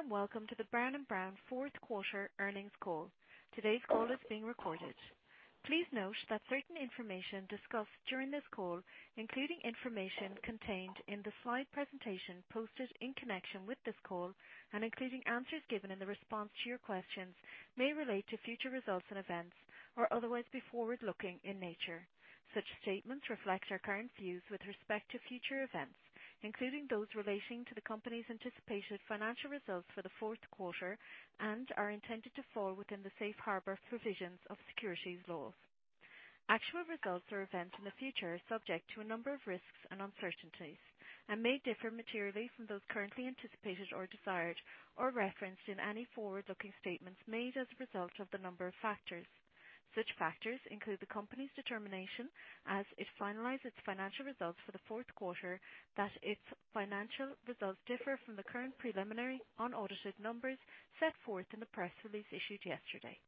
Good morning, and welcome to the Brown & Brown fourth quarter earnings call. Today's call is being recorded. Please note that certain information discussed during this call, including information contained in the slide presentation posted in connection with this call, and including answers given in the response to your questions, may relate to future results and events or otherwise be forward-looking in nature. Such statements reflect our current views with respect to future events, including those relating to the company's anticipated financial results for the fourth quarter, and are intended to fall within the safe harbor provisions of securities laws. Actual results or events in the future are subject to a number of risks and uncertainties and may differ materially from those currently anticipated, desired, or referenced in any forward-looking statements made as a result of the number of factors. Such factors include the company's determination as it finalized its financial results for the fourth quarter that its financial results differ from the current preliminary unaudited numbers set forth in the press release issued yesterday.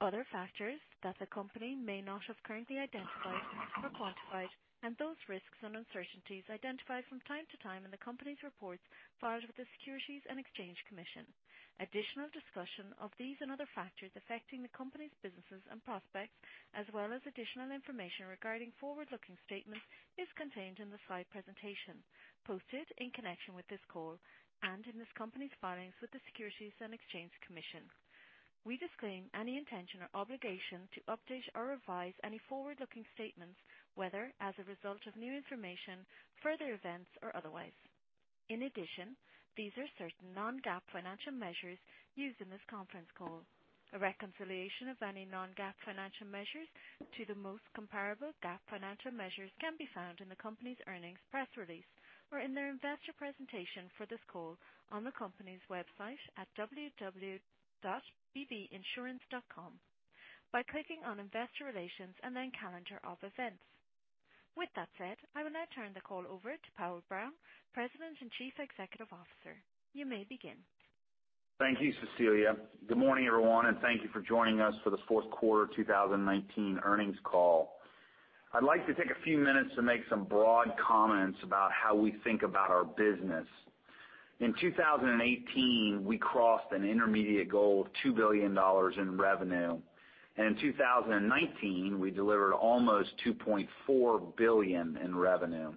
Other factors that the company may not have currently identified or quantified, and those risks and uncertainties identified from time to time in the company's reports filed with the Securities and Exchange Commission. Additional discussion of these and other factors affecting the company's businesses and prospects, as well as additional information regarding forward-looking statements, is contained in the slide presentation posted in connection with this call and in this company's filings with the Securities and Exchange Commission. We disclaim any intention or obligation to update or revise any forward-looking statements, whether as a result of new information, further events, or otherwise. In addition, these are certain non-GAAP financial measures used in this conference call. A reconciliation of any non-GAAP financial measures to the most comparable GAAP financial measures can be found in the company's earnings press release or in their investor presentation for this call on the company's website at www.bbinsurance.com by clicking on Investor Relations and then Calendar of Events. With that said, I will now turn the call over to Powell Brown, President and Chief Executive Officer. You may begin. Thank you, Cecilia. Good morning, everyone, and thank you for joining us for the fourth quarter 2019 earnings call. I'd like to take a few minutes to make some broad comments about how we think about our business. In 2018, we crossed an intermediate goal of $2 billion in revenue. In 2019, we delivered almost $2.4 billion in revenue.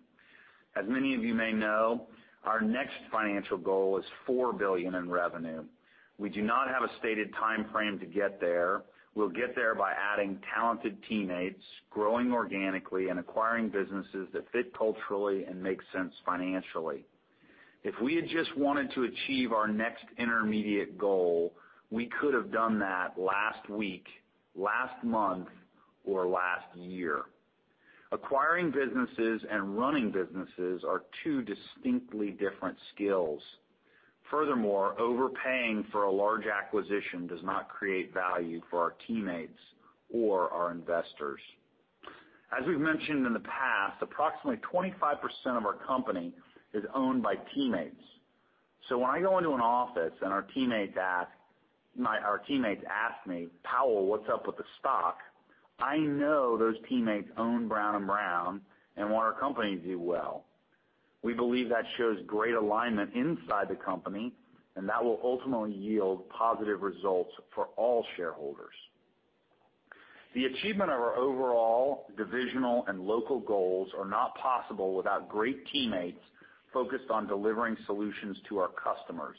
As many of you may know, our next financial goal is $4 billion in revenue. We do not have a stated timeframe to get there. We'll get there by adding talented teammates, growing organically, and acquiring businesses that fit culturally and make sense financially. If we had just wanted to achieve our next intermediate goal, we could have done that last week, last month, or last year. Acquiring businesses and running businesses are two distinctly different skills. Furthermore, overpaying for a large acquisition does not create value for our teammates or our investors. As we've mentioned in the past, approximately 25% of our company is owned by teammates. When I go into an office and our teammates ask me, "Powell, what's up with the stock?" I know those teammates own Brown & Brown and want our company to do well. We believe that shows great alignment inside the company, and that will ultimately yield positive results for all shareholders. The achievement of our overall divisional and local goals are not possible without great teammates focused on delivering solutions to our customers.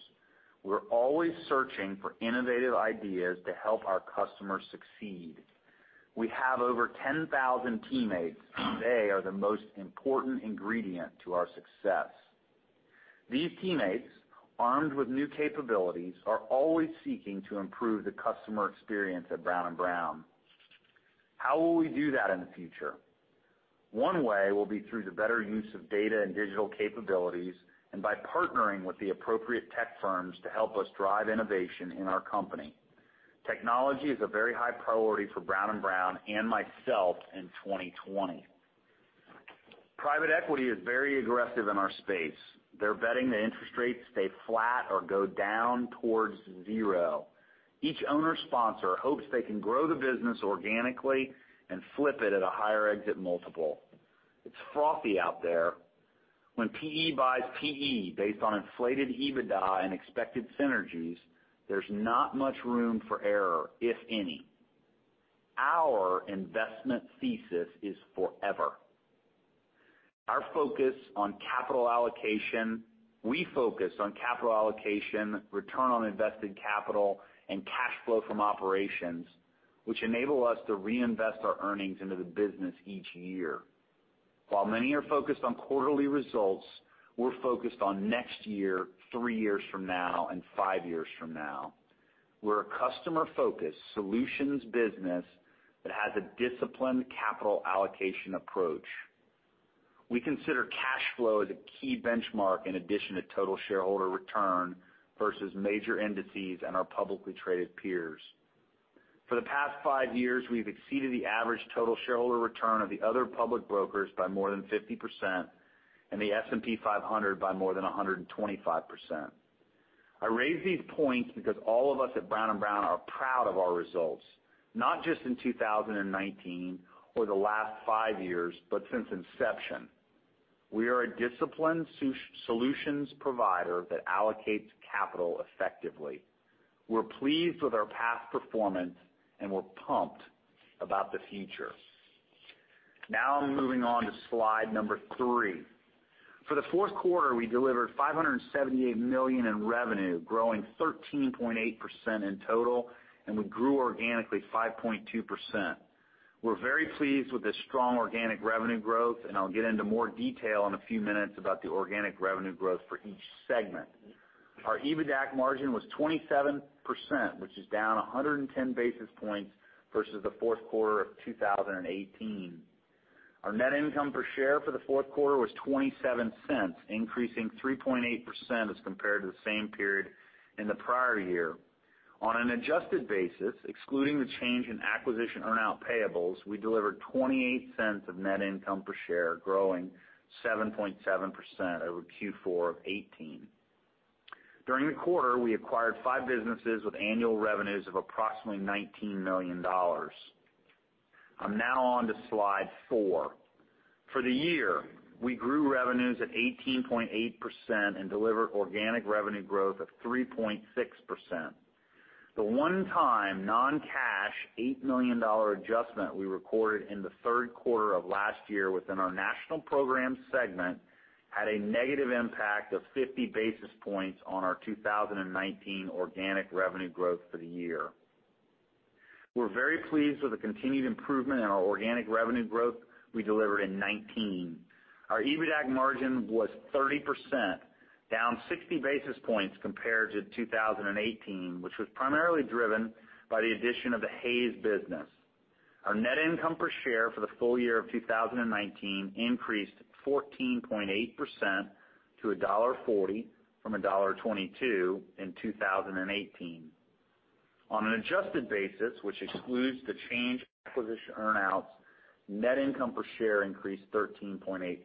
We're always searching for innovative ideas to help our customers succeed. We have over 10,000 teammates. They are the most important ingredient to our success. These teammates, armed with new capabilities, are always seeking to improve the customer experience at Brown & Brown. How will we do that in the future? One way will be through the better use of data and digital capabilities and by partnering with the appropriate tech firms to help us drive innovation in our company. Technology is a very high priority for Brown & Brown and myself in 2020. Private equity is very aggressive in our space. They're betting that interest rates stay flat or go down towards zero. Each owner sponsor hopes they can grow the business organically and flip it at a higher exit multiple. It's frothy out there. When PE buys PE based on inflated EBITDA and expected synergies, there's not much room for error, if any. Our investment thesis is forever. We focus on capital allocation, return on invested capital, and cash flow from operations, which enable us to reinvest our earnings into the business each year. While many are focused on quarterly results, we're focused on next year, three years from now, and five years from now. We're a customer-focused solutions business that has a disciplined capital allocation approach. We consider cash flow as a key benchmark in addition to total shareholder return versus major indices and our publicly traded peers. For the past five years, we've exceeded the average total shareholder return of the other public brokers by more than 50% and the S&P 500 by more than 125%. I raise these points because all of us at Brown & Brown are proud of our results. Not just in 2019 or the last five years, but since inception. We are a disciplined solutions provider that allocates capital effectively. We're pleased with our past performance and we're pumped about the future. Now I'm moving on to slide number three. For the fourth quarter, we delivered $578 million in revenue, growing 13.8% in total, and we grew organically 5.2%. We're very pleased with the strong organic revenue growth, and I'll get into more detail in a few minutes about the organic revenue growth for each segment. Our EBITDAC margin was 27%, which is down 110 basis points versus the fourth quarter of 2018. Our net income per share for the fourth quarter was $0.27, increasing 3.8% as compared to the same period in the prior year. On an adjusted basis, excluding the change in acquisition earn-out payables, we delivered $0.28 of net income per share, growing 7.7% over Q4 of 2018. During the quarter, we acquired five businesses with annual revenues of approximately $19 million. I'm now on to slide four. For the year, we grew revenues at 18.8% and delivered organic revenue growth of 3.6%. The one-time non-cash $8 million adjustment we recorded in the third quarter of last year within our National Programs segment had a negative impact of 50 basis points on our 2019 organic revenue growth for the year. We're very pleased with the continued improvement in our organic revenue growth we delivered in 2019. Our EBITDAC margin was 30%, down 60 basis points compared to 2018, which was primarily driven by the addition of the Hays business. Our net income per share for the full year of 2019 increased 14.8% to $1.40 from $1.22 in 2018. On an adjusted basis, which excludes the change in acquisition earn-outs, net income per share increased 13.8%.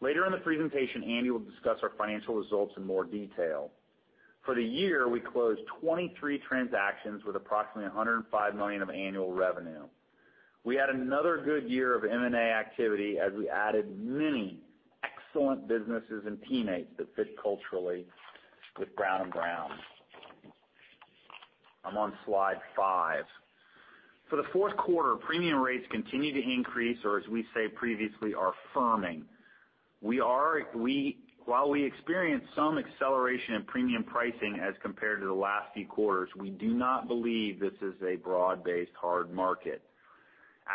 Later in the presentation, Andy will discuss our financial results in more detail. For the year, we closed 23 transactions with approximately $105 million of annual revenue. We had another good year of M&A activity as we added many excellent businesses and teammates that fit culturally with Brown & Brown. I'm on slide five. For the fourth quarter, premium rates continued to increase or as we say previously, are firming. While we experienced some acceleration in premium pricing as compared to the last few quarters, we do not believe this is a broad-based hard market.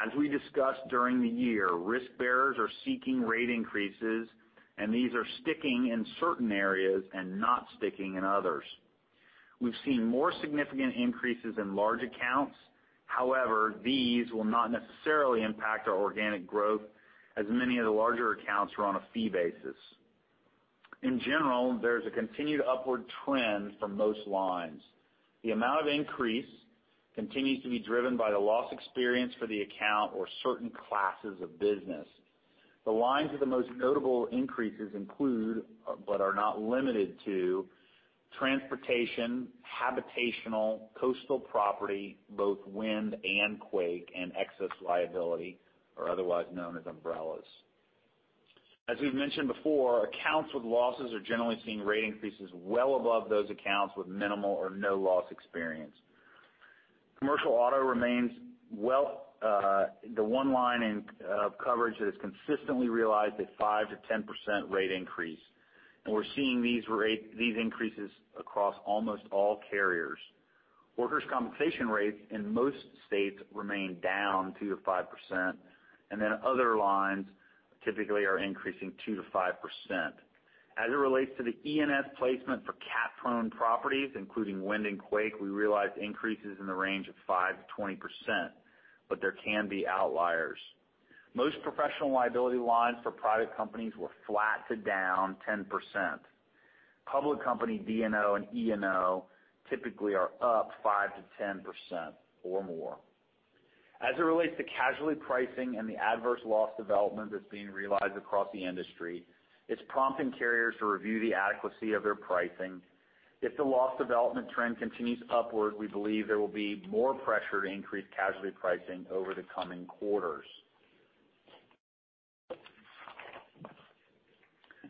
As we discussed during the year, risk bearers are seeking rate increases and these are sticking in certain areas and not sticking in others. We've seen more significant increases in large accounts. These will not necessarily impact our organic growth as many of the larger accounts are on a fee basis. In general, there's a continued upward trend for most lines. The amount of increase continues to be driven by the loss experience for the account or certain classes of business. The lines of the most notable increases include, but are not limited to, transportation, habitational, coastal property, both wind and quake, and excess liability, or otherwise known as umbrellas. As we've mentioned before, accounts with losses are generally seeing rate increases well above those accounts with minimal or no loss experience. Commercial auto remains the one line of coverage that has consistently realized a 5%-10% rate increase. We're seeing these increases across almost all carriers. Workers' compensation rates in most states remain down 2%-5%, other lines typically are increasing 2%-5%. As it relates to the E&S placement for cat-prone properties, including wind and quake, we realized increases in the range of 5%-20%, but there can be outliers. Most professional liability lines for private companies were flat to down 10%. Public company D&O and E&O typically are up 5%-10% or more. As it relates to casualty pricing and the adverse loss development that's being realized across the industry, it's prompting carriers to review the adequacy of their pricing. If the loss development trend continues upward, we believe there will be more pressure to increase casualty pricing over the coming quarters.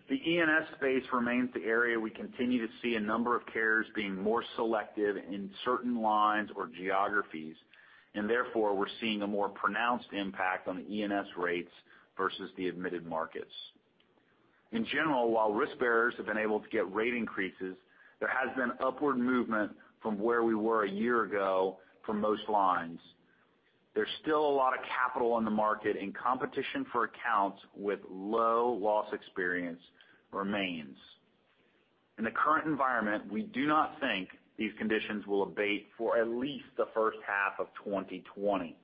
The E&S space remains the area we continue to see a number of carriers being more selective in certain lines or geographies, therefore, we're seeing a more pronounced impact on the E&S rates versus the admitted markets. In general, while risk bearers have been able to get rate increases, there has been upward movement from where we were a year ago for most lines. There's still a lot of capital on the market, competition for accounts with low loss experience remains. In the current environment, we do not think these conditions will abate for at least the first half of 2020.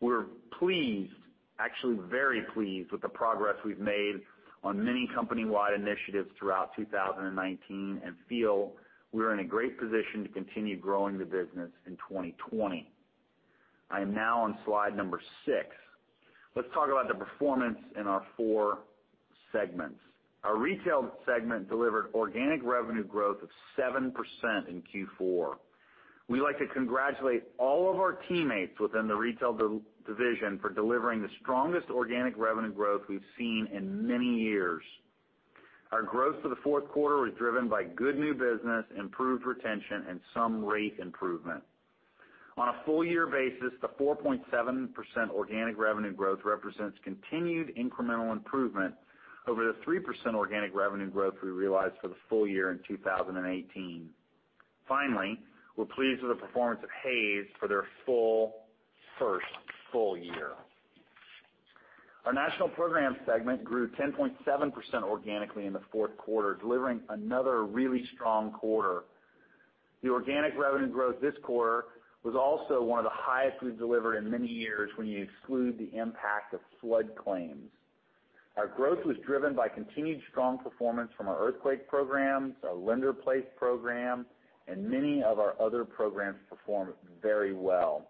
We are pleased, actually very pleased, with the progress we have made on many company-wide initiatives throughout 2019 and feel we are in a great position to continue growing the business in 2020. I am now on slide number six. Let us talk about the performance in our four segments. Our retail segment delivered organic revenue growth of 7% in Q4. We would like to congratulate all of our teammates within the retail division for delivering the strongest organic revenue growth we have seen in many years. Our growth for the fourth quarter was driven by good new business, improved retention, and some rate improvement. On a full year basis, the 4.7% organic revenue growth represents continued incremental improvement over the 3% organic revenue growth we realized for the full year in 2018. Finally, we are pleased with the performance of Hays for their first full year. Our national program segment grew 10.7% organically in the fourth quarter, delivering another really strong quarter. The organic revenue growth this quarter was also one of the highest we have delivered in many years when you exclude the impact of flood claims. Our growth was driven by continued strong performance from our earthquake programs, our lender-placed program, and many of our other programs performed very well.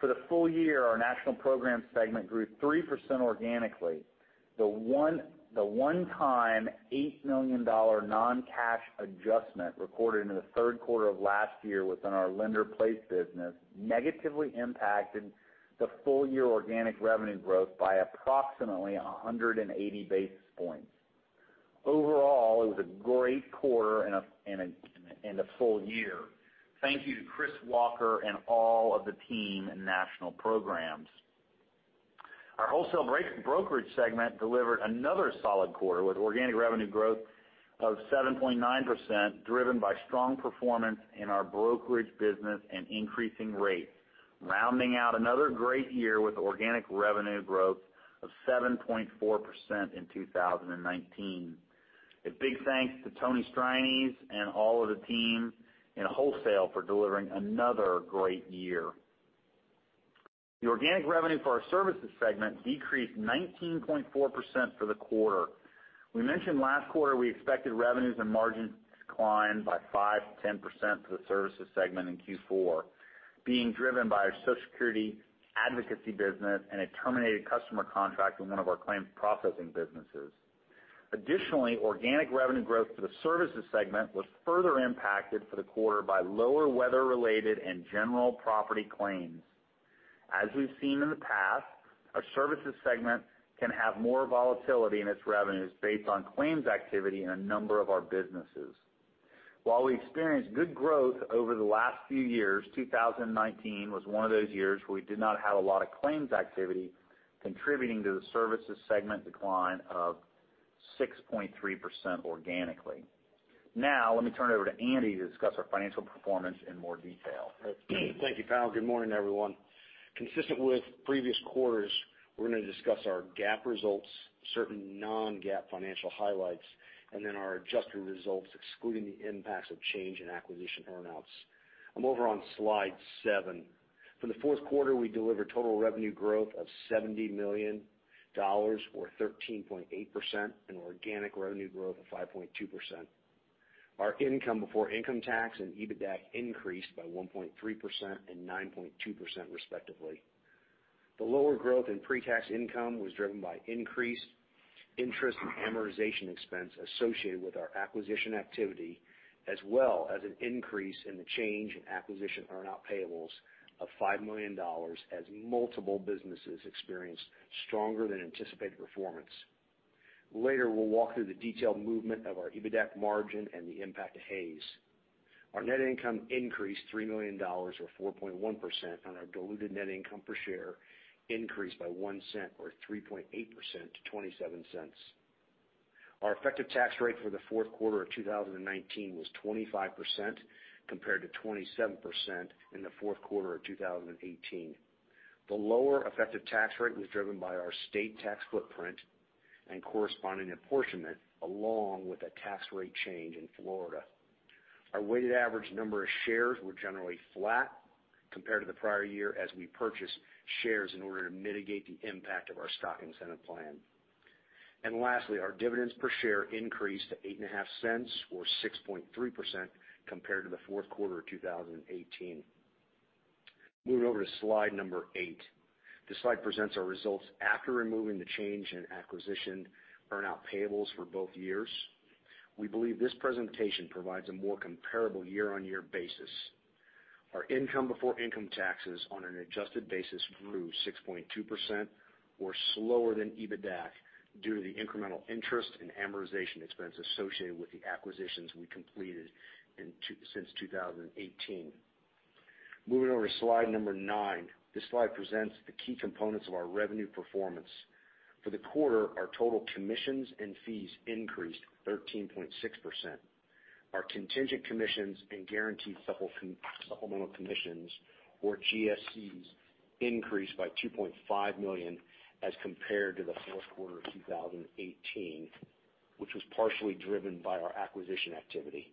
For the full year, our national program segment grew 3% organically. The one-time $8 million non-cash adjustment recorded in the third quarter of last year within our lender-placed business negatively impacted the full-year organic revenue growth by approximately 180 basis points. Overall, it was a great quarter and a full year. Thank you to Chris Walker and all of the team in national programs. Our wholesale brokerage segment delivered another solid quarter with organic revenue growth of 7.9%, driven by strong performance in our brokerage business and increasing rate, rounding out another great year with organic revenue growth of 7.4% in 2019. A big thanks to Tony Strianese and all of the team in wholesale for delivering another great year. The organic revenue for our services segment decreased 19.4% for the quarter. We mentioned last quarter we expected revenues and margins to decline by 5%-10% for the services segment in Q4, being driven by our Social Security advocacy business and a terminated customer contract in one of our claims processing businesses. Additionally, organic revenue growth for the services segment was further impacted for the quarter by lower weather related and general property claims. As we have seen in the past, our services segment can have more volatility in its revenues based on claims activity in a number of our businesses. While we experienced good growth over the last few years, 2019 was one of those years where we did not have a lot of claims activity contributing to the services segment decline of 6.3% organically. Now, let me turn it over to Andy to discuss our financial performance in more detail. Thank you, Kyle. Good morning, everyone. Consistent with previous quarters, we're going to discuss our GAAP results, certain non-GAAP financial highlights, and then our adjusted results excluding the impacts of change in acquisition earn-outs. I'm over on slide seven. For the fourth quarter, we delivered total revenue growth of $70 million, or 13.8%, and organic revenue growth of 5.2%. Our income before income tax and EBITDA increased by 1.3% and 9.2% respectively. The lower growth in pre-tax income was driven by increased interest and amortization expense associated with our acquisition activity, as well as an increase in the change in acquisition earn-out payables of $5 million as multiple businesses experienced stronger than anticipated performance. Later, we'll walk through the detailed movement of our EBITDAC margin and the impact of Hays. Our net income increased $3 million or 4.1% on our diluted net income per share increased by $0.01 or 3.8% to $0.27. Our effective tax rate for the fourth quarter of 2019 was 25% compared to 27% in the fourth quarter of 2018. The lower effective tax rate was driven by our state tax footprint and corresponding apportionment along with a tax rate change in Florida. Our weighted average number of shares were generally flat compared to the prior year as we purchased shares in order to mitigate the impact of our stock incentive plan. Lastly, our dividends per share increased to $0.085 or 6.3% compared to the fourth quarter of 2018. Moving over to slide number eight. This slide presents our results after removing the change in acquisition earn-out payables for both years. We believe this presentation provides a more comparable year-on-year basis. Our income before income taxes on an adjusted basis grew 6.2% or slower than EBITDA due to the incremental interest and amortization expense associated with the acquisitions we completed since 2018. Moving over to slide number nine. This slide presents the key components of our revenue performance. For the quarter, our total commissions and fees increased 13.6%. Our contingent commissions and guaranteed supplemental commissions or GSCs increased by $2.5 million as compared to the fourth quarter of 2018, which was partially driven by our acquisition activity.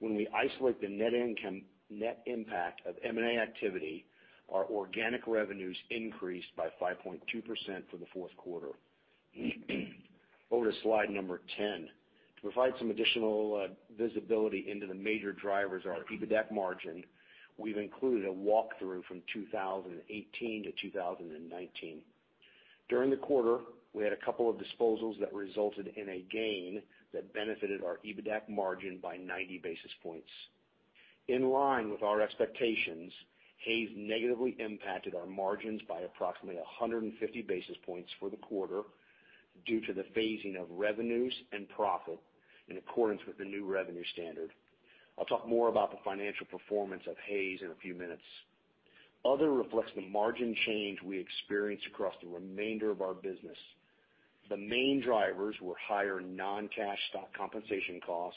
When we isolate the net impact of M&A activity, our organic revenues increased by 5.2% for the fourth quarter. Over to slide 10. To provide some additional visibility into the major drivers of our EBITDAC margin, we've included a walkthrough from 2018 to 2019. During the quarter, we had a couple of disposals that resulted in a gain that benefited our EBITDAC margin by 90 basis points. In line with our expectations, Hays negatively impacted our margins by approximately 150 basis points for the quarter due to the phasing of revenues and profit in accordance with the new revenue standard. I'll talk more about the financial performance of Hays in a few minutes. Other reflects the margin change we experienced across the remainder of our business. The main drivers were higher non-cash stock compensation cost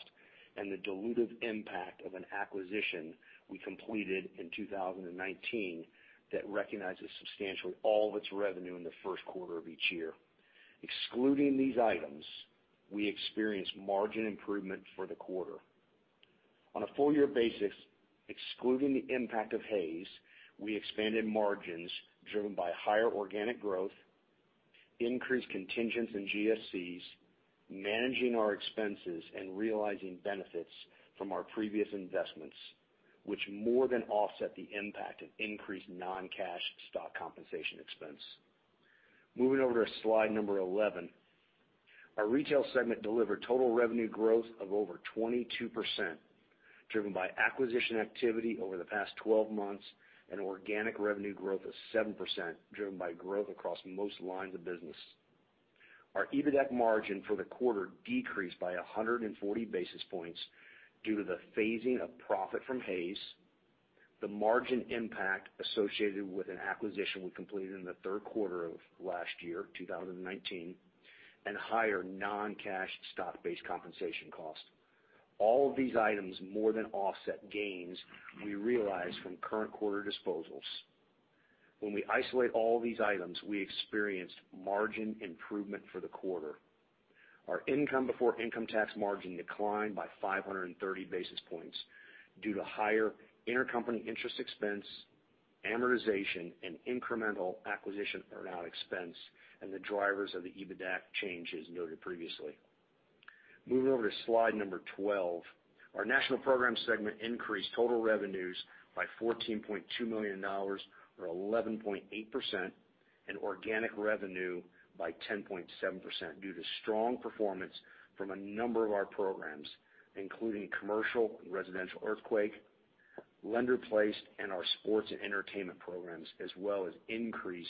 and the dilutive impact of an acquisition we completed in 2019 that recognizes substantially all of its revenue in the first quarter of each year. Excluding these items, we experienced margin improvement for the quarter. On a full-year basis, excluding the impact of Hays, we expanded margins driven by higher organic growth, increased contingents in GSCs, managing our expenses, and realizing benefits from our previous investments, which more than offset the impact of increased non-cash stock compensation expense. Moving over to slide 11. Our retail segment delivered total revenue growth of over 22%, driven by acquisition activity over the past 12 months and organic revenue growth of 7%, driven by growth across most lines of business. Our EBITDAC margin for the quarter decreased by 140 basis points due to the phasing of profit from Hays, the margin impact associated with an acquisition we completed in the third quarter of last year, 2019, and higher non-cash stock-based compensation cost. All of these items more than offset gains we realized from current quarter disposals. When we isolate all these items, we experienced margin improvement for the quarter. Our income before income tax margin declined by 530 basis points due to higher intercompany interest expense, amortization, and incremental acquisition earn-out expense, and the drivers of the EBITDAC change, as noted previously. Moving over to slide 12. Our national program segment increased total revenues by $14.2 million, or 11.8%, and organic revenue by 10.7% due to strong performance from a number of our programs, including commercial and residential earthquake, lender-placed, and our sports and entertainment programs, as well as increased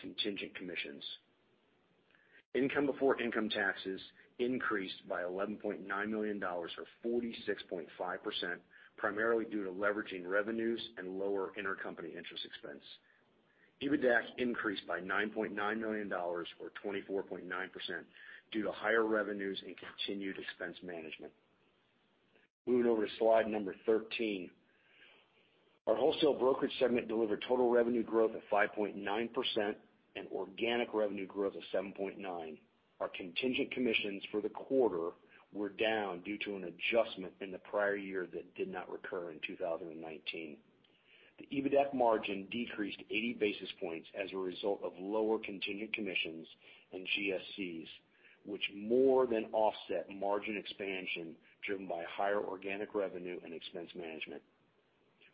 contingent commissions. Income before income taxes increased by $11.9 million, or 46.5%, primarily due to leveraging revenues and lower intercompany interest expense. EBITDAC increased by $9.9 million, or 24.9%, due to higher revenues and continued expense management. Moving over to slide 13. Our wholesale brokerage segment delivered total revenue growth of 5.9% and organic revenue growth of 7.9%. Our contingent commissions for the quarter were down due to an adjustment in the prior year that did not recur in 2019. The EBITDAC margin decreased 80 basis points as a result of lower contingent commissions and GSCs, which more than offset margin expansion driven by higher organic revenue and expense management.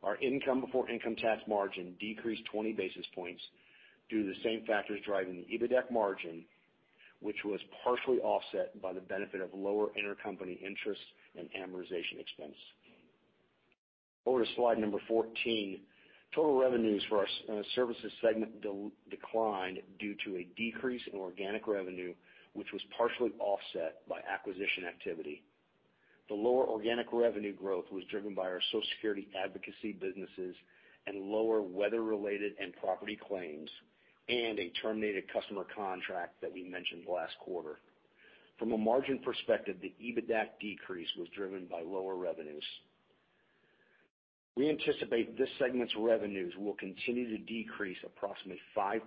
Our income before income tax margin decreased 20 basis points due to the same factors driving the EBITDAC margin, which was partially offset by the benefit of lower intercompany interest and amortization expense. Over to slide 14. Total revenues for our services segment declined due to a decrease in organic revenue, which was partially offset by acquisition activity. The lower organic revenue growth was driven by our Social Security advocacy businesses and lower weather-related and property claims, and a terminated customer contract that we mentioned last quarter. From a margin perspective, the EBITDAC decrease was driven by lower revenues. We anticipate this segment's revenues will continue to decrease approximately 5%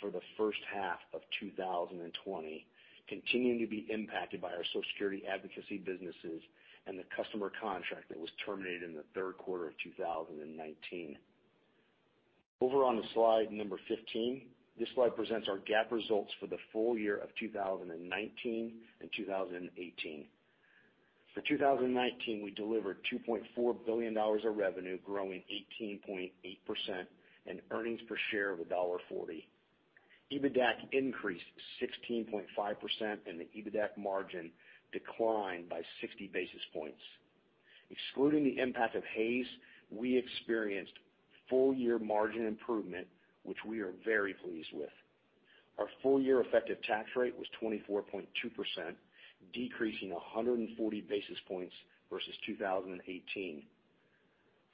for the first half of 2020, continuing to be impacted by our Social Security advocacy businesses and the customer contract that was terminated in the third quarter of 2019. Over on to slide 15. This slide presents our GAAP results for the full year of 2019 and 2018. For 2019, we delivered $2.4 billion of revenue, growing 18.8%, and earnings per share of $1.40. EBITDAC increased 16.5%, and the EBITDAC margin declined by 60 basis points. Excluding the impact of Hays, we experienced full-year margin improvement, which we are very pleased with. Our full-year effective tax rate was 24.2%, decreasing 140 basis points versus 2018.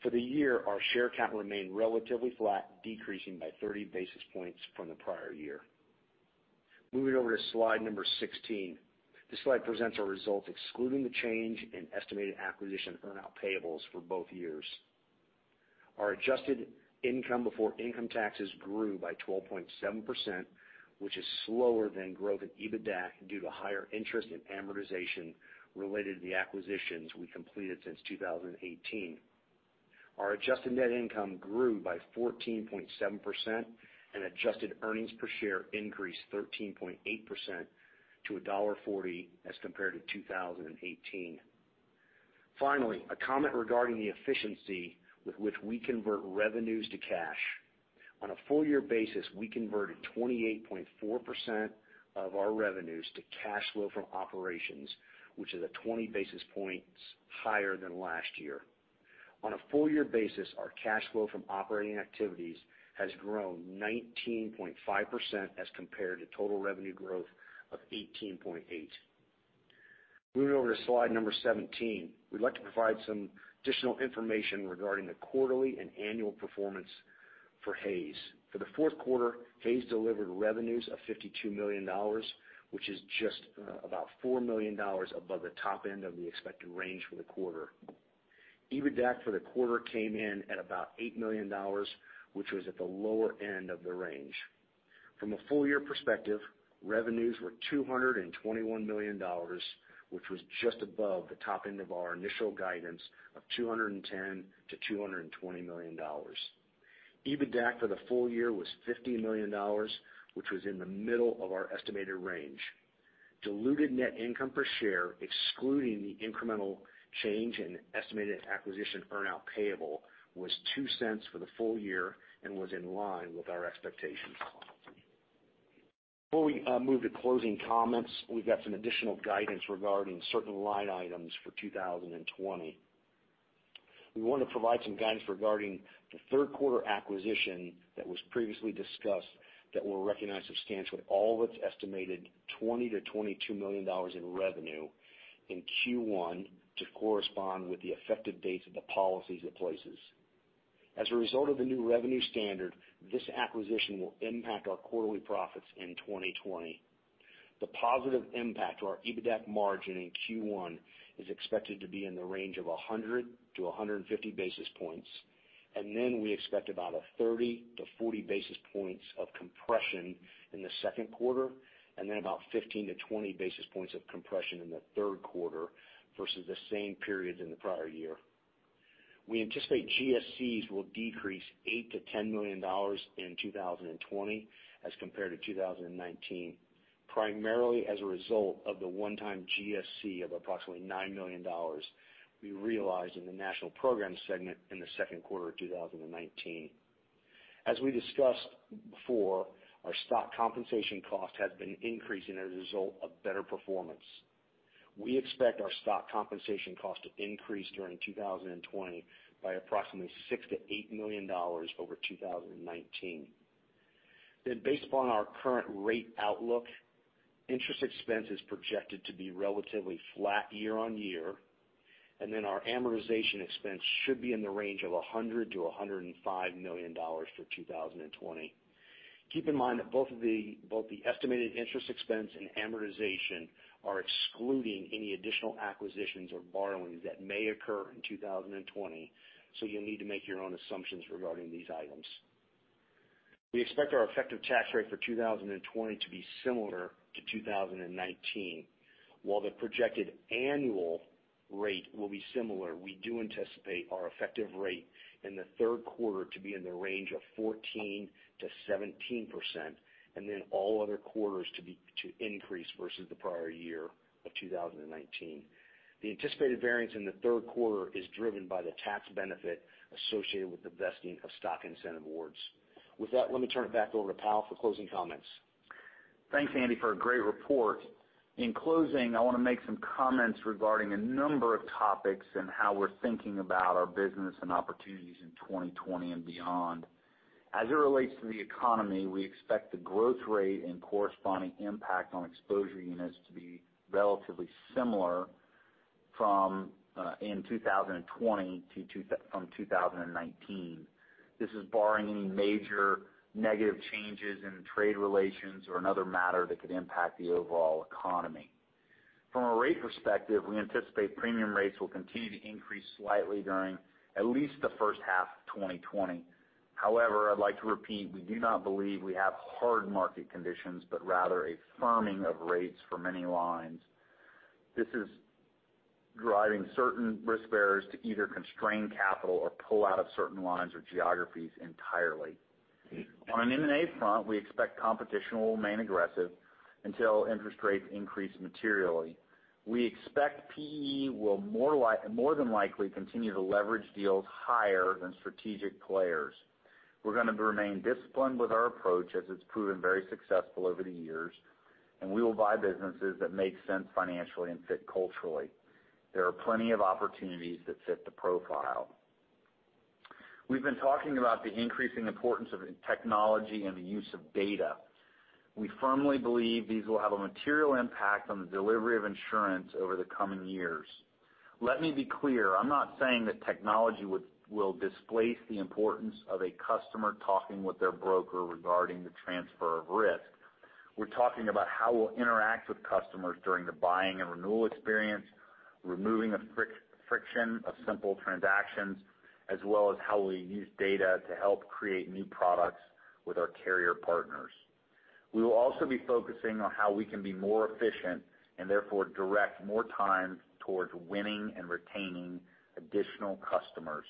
For the year, our share count remained relatively flat, decreasing by 30 basis points from the prior year. Moving over to slide number 16. This slide presents our results excluding the change in estimated acquisition earn-out payables for both years. Our adjusted income before income taxes grew by 12.7%, which is slower than growth in EBITDAC due to higher interest and amortization related to the acquisitions we completed since 2018. Our adjusted net income grew by 14.7%, and adjusted earnings per share increased 13.8% to $1.40 as compared to 2018. Finally, a comment regarding the efficiency with which we convert revenues to cash. On a full year basis, we converted 28.4% of our revenues to cash flow from operations, which is 20 basis points higher than last year. On a full year basis, our cash flow from operating activities has grown 19.5% as compared to total revenue growth of 18.8%. Moving over to slide number 17, we'd like to provide some additional information regarding the quarterly and annual performance for Hays. For the fourth quarter, Hays delivered revenues of $52 million, which is just about $4 million above the top end of the expected range for the quarter. EBITDAC for the quarter came in at about $8 million, which was at the lower end of the range. From a full year perspective, revenues were $221 million, which was just above the top end of our initial guidance of $210 million-$220 million. EBITDAC for the full year was $50 million, which was in the middle of our estimated range. Diluted net income per share, excluding the incremental change in estimated acquisition earn-out payable, was $0.02 for the full year and was in line with our expectations. Before we move to closing comments, we've got some additional guidance regarding certain line items for 2020. We want to provide some guidance regarding the third quarter acquisition that was previously discussed that will recognize substantially all of its estimated $20 million-$22 million in revenue in Q1 to correspond with the effective dates of the policies it places. As a result of the new revenue standard, this acquisition will impact our quarterly profits in 2020. The positive impact to our EBITDAC margin in Q1 is expected to be in the range of 100-150 basis points. We expect about a 30-40 basis points of compression in the second quarter, and then about 15-20 basis points of compression in the third quarter versus the same periods in the prior year. We anticipate GSCs will decrease $8 million-$10 million in 2020 as compared to 2019, primarily as a result of the one-time GSC of approximately $9 million we realized in the National Programs segment in the second quarter of 2019. As we discussed before, our stock compensation cost has been increasing as a result of better performance. We expect our stock compensation cost to increase during 2020 by approximately $6 million-$8 million over 2019. Based upon our current rate outlook, interest expense is projected to be relatively flat year-over-year. Our amortization expense should be in the range of $100 million-$105 million for 2020. Keep in mind that both the estimated interest expense and amortization are excluding any additional acquisitions or borrowings that may occur in 2020. You'll need to make your own assumptions regarding these items. We expect our effective tax rate for 2020 to be similar to 2019. While the projected annual rate will be similar, we do anticipate our effective rate in the third quarter to be in the range of 14%-17%, and all other quarters to increase versus the prior year of 2019. The anticipated variance in the third quarter is driven by the tax benefit associated with the vesting of stock incentive awards. With that, let me turn it back over to Powell for closing comments. Thanks, Andy, for a great report. In closing, I want to make some comments regarding a number of topics and how we're thinking about our business and opportunities in 2020 and beyond. As it relates to the economy, we expect the growth rate and corresponding impact on exposure units to be relatively similar in 2020 from 2019. This is barring any major negative changes in trade relations or another matter that could impact the overall economy. From a rate perspective, we anticipate premium rates will continue to increase slightly during at least the first half of 2020. However, I'd like to repeat, we do not believe we have hard market conditions, but rather a firming of rates for many lines. This is driving certain risk bearers to either constrain capital or pull out of certain lines or geographies entirely. On an M&A front, we expect competition will remain aggressive until interest rates increase materially. We expect PE will more than likely continue to leverage deals higher than strategic players. We're going to remain disciplined with our approach as it's proven very successful over the years. We will buy businesses that make sense financially and fit culturally. There are plenty of opportunities that fit the profile. We've been talking about the increasing importance of technology and the use of data. We firmly believe these will have a material impact on the delivery of insurance over the coming years. Let me be clear, I'm not saying that technology will displace the importance of a customer talking with their broker regarding the transfer of risk. We're talking about how we'll interact with customers during the buying and renewal experience, removing the friction of simple transactions, as well as how we'll use data to help create new products with our carrier partners. We will also be focusing on how we can be more efficient and therefore direct more time towards winning and retaining additional customers.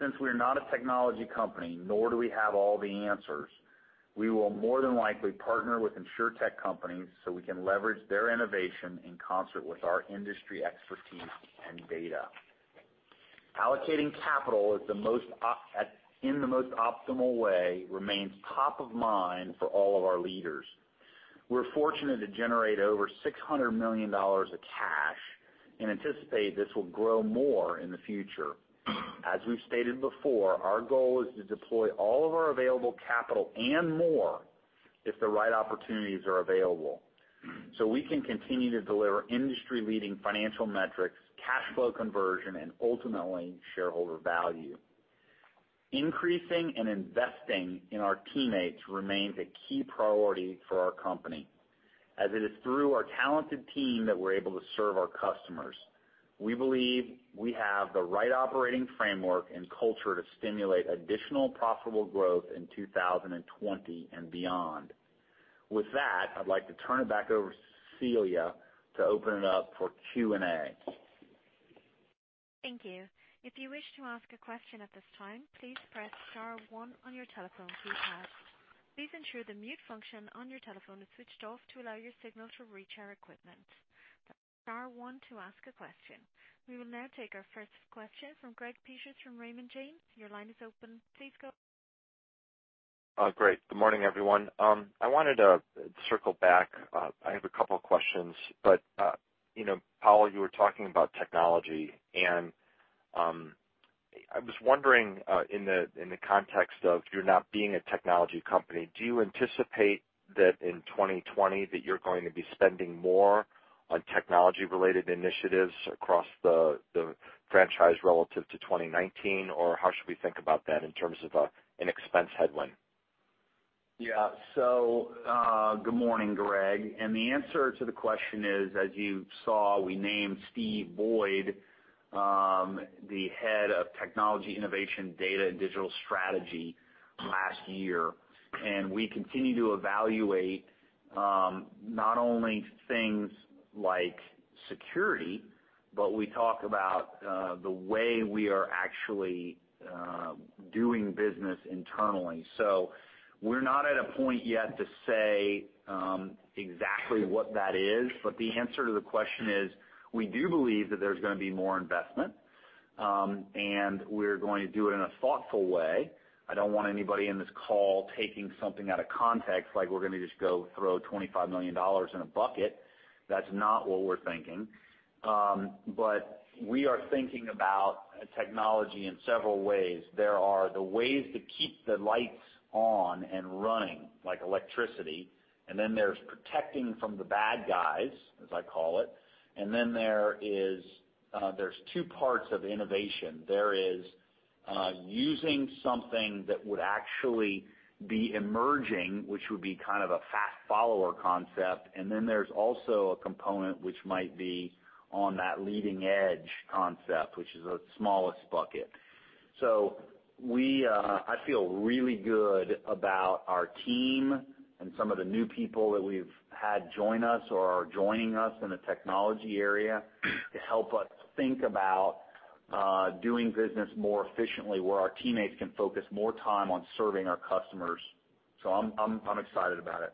Since we are not a technology company, nor do we have all the answers, we will more than likely partner with insurtech companies so we can leverage their innovation in concert with our industry expertise and data. Allocating capital in the most optimal way remains top of mind for all of our leaders. We're fortunate to generate over $600 million of cash and anticipate this will grow more in the future. As we've stated before, our goal is to deploy all of our available capital and more if the right opportunities are available so we can continue to deliver industry leading financial metrics, cash flow conversion, and ultimately shareholder value. Increasing and investing in our teammates remains a key priority for our company, as it is through our talented team that we're able to serve our customers. We believe we have the right operating framework and culture to stimulate additional profitable growth in 2020 and beyond. With that, I'd like to turn it back over to Celia to open it up for Q&A. Thank you. If you wish to ask a question at this time, please press star one on your telephone keypad. Please ensure the mute function on your telephone is switched off to allow your signal to reach our equipment. Star one to ask a question. We will now take our first question from Greg Peters from Raymond James. Your line is open. Please go ahead. Great. Good morning, everyone. I wanted to circle back. I have a couple of questions, but Powell, you were talking about technology, and I was wondering in the context of you not being a technology company, do you anticipate that in 2020 that you're going to be spending more on technology related initiatives across the franchise relative to 2019, or how should we think about that in terms of an expense headwind? Good morning, Greg. The answer to the question is, as you saw, we named Stephen Boyd the Head of Technology, Innovation, Data, and Digital Strategy last year. We continue to evaluate not only things like security, but we talk about the way we are actually doing business internally. We're not at a point yet to say exactly what that is. The answer to the question is, we do believe that there's going to be more investment, and we're going to do it in a thoughtful way. I don't want anybody in this call taking something out of context like we're going to just go throw $25 million in a bucket. That's not what we're thinking. We are thinking about technology in several ways. There are the ways to keep the lights on and running, like electricity, then there's protecting from the bad guys, as I call it. Then there's two parts of innovation. There is using something that would actually be emerging, which would be kind of a fast follower concept. Then there's also a component which might be on that leading edge concept, which is the smallest bucket. I feel really good about our team and some of the new people that we've had join us or are joining us in the technology area to help us think about doing business more efficiently where our teammates can focus more time on serving our customers. I'm excited about it.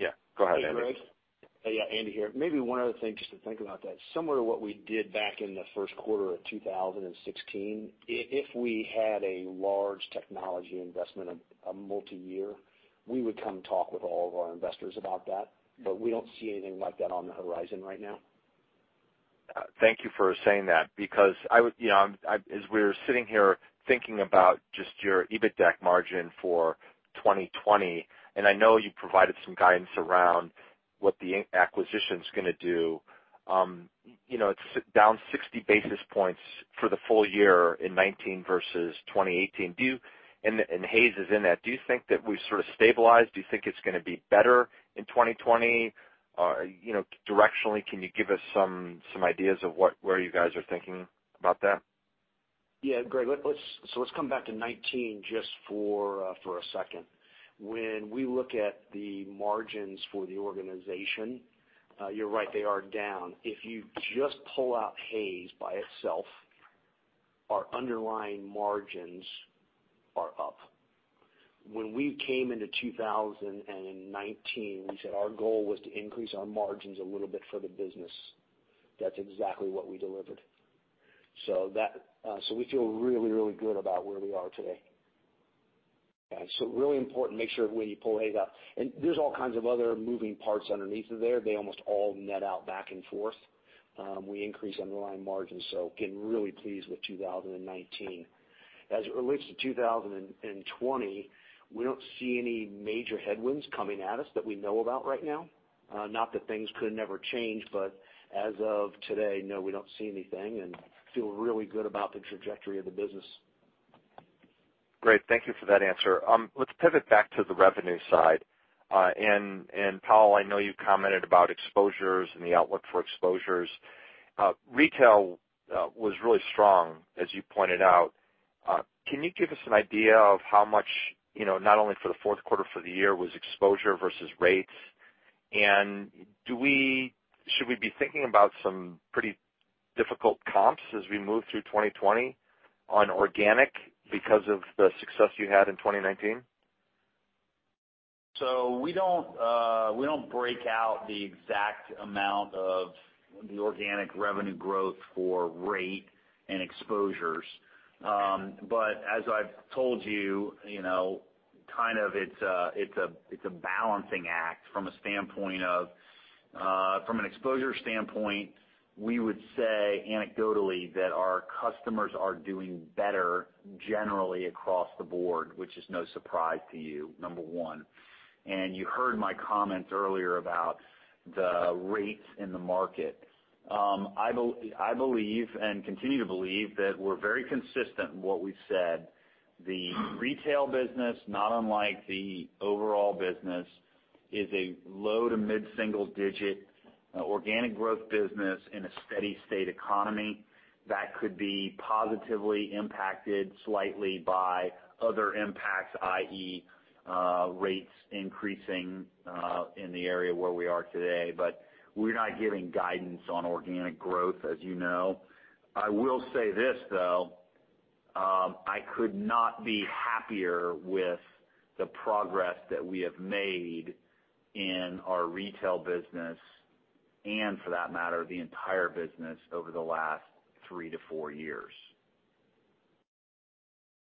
Yeah, go ahead, Andy. Hey, Greg. Yeah, Andy here. Maybe one other thing just to think about that similar to what we did back in the first quarter of 2016. If we had a large technology investment of a multi-year, we would come talk with all of our investors about that, we don't see anything like that on the horizon right now. Thank you for saying that because as we're sitting here thinking about just your EBITDA margin for 2020, and I know you provided some guidance around what the acquisition's going to do. It's down 60 basis points for the full year in 2019 versus 2018. Hays is in that. Do you think that we've sort of stabilized? Do you think it's going to be better in 2020? Directionally, can you give us some ideas of where you guys are thinking about that? Yeah. Greg, let's come back to 2019 just for a second. When we look at the margins for the organization, you're right, they are down. If you just pull out Hays by itself, our underlying margins are up. When we came into 2019, we said our goal was to increase our margins a little bit for the business. That's exactly what we delivered. We feel really good about where we are today. Really important, make sure when you pull Hays out. There's all kinds of other moving parts underneath of there. They almost all net out back and forth. We increase underlying margins, so again, really pleased with 2019. As it relates to 2020, we don't see any major headwinds coming at us that we know about right now. Not that things could never change, as of today, no, we don't see anything and feel really good about the trajectory of the business. Great. Thank you for that answer. Let's pivot back to the revenue side. Powell, I know you commented about exposures and the outlook for exposures. Retail was really strong, as you pointed out. Can you give us an idea of how much, not only for the fourth quarter for the year, was exposure versus rates? Should we be thinking about some pretty difficult comps as we move through 2020 on organic because of the success you had in 2019? We don't break out the exact amount of the organic revenue growth for rate and exposures. As I've told you, kind of it's a balancing act from a standpoint of, from an exposure standpoint, we would say anecdotally that our customers are doing better generally across the board, which is no surprise to you, number one. You heard my comments earlier about the rates in the market. I believe and continue to believe that we're very consistent in what we've said. The retail business, not unlike the overall business, is a low to mid-single-digit organic growth business in a steady state economy that could be positively impacted slightly by other impacts, i.e., rates increasing in the area where we are today. We're not giving guidance on organic growth, as you know. I will say this, though, I could not be happier with the progress that we have made in our retail business, and for that matter, the entire business over the last three to four years.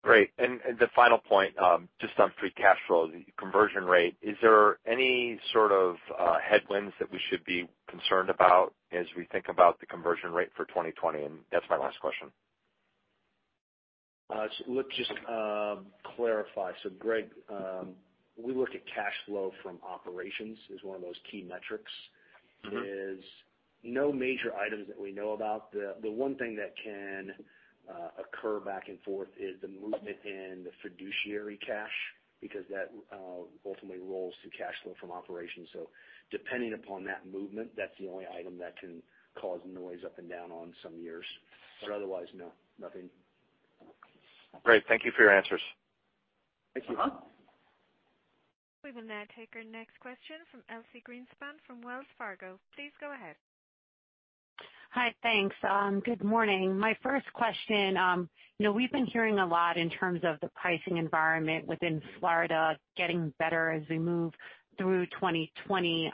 Great. The final point, just on free cash flow, the conversion rate. Is there any sort of headwinds that we should be concerned about as we think about the conversion rate for 2020? That's my last question. Let's just clarify. Greg, we look at cash flow from operations as one of those key metrics. There's no major items that we know about. The one thing that can occur back and forth is the movement in the fiduciary cash, because that ultimately rolls to cash flow from operations. Depending upon that movement, that's the only item that can cause noise up and down on some years. Otherwise, no, nothing. Great. Thank you for your answers. Thank you. We will now take our next question from Elyse Greenspan from Wells Fargo. Please go ahead. Hi, thanks. Good morning. My first question, we've been hearing a lot in terms of the pricing environment within Florida getting better as we move through 2020.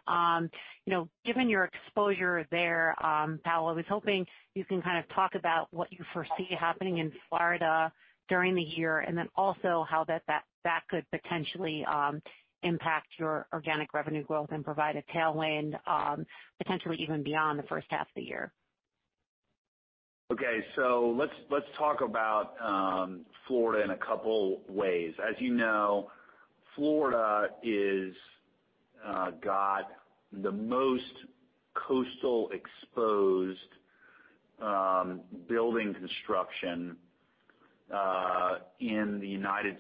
Given your exposure there, Powell, I was hoping you can kind of talk about what you foresee happening in Florida during the year, and then also how that could potentially impact your organic revenue growth and provide a tailwind, potentially even beyond the first half of the year. Okay. Let's talk about Florida in a couple ways. As you know, Florida has got the most coastal exposed building construction in the U.S.,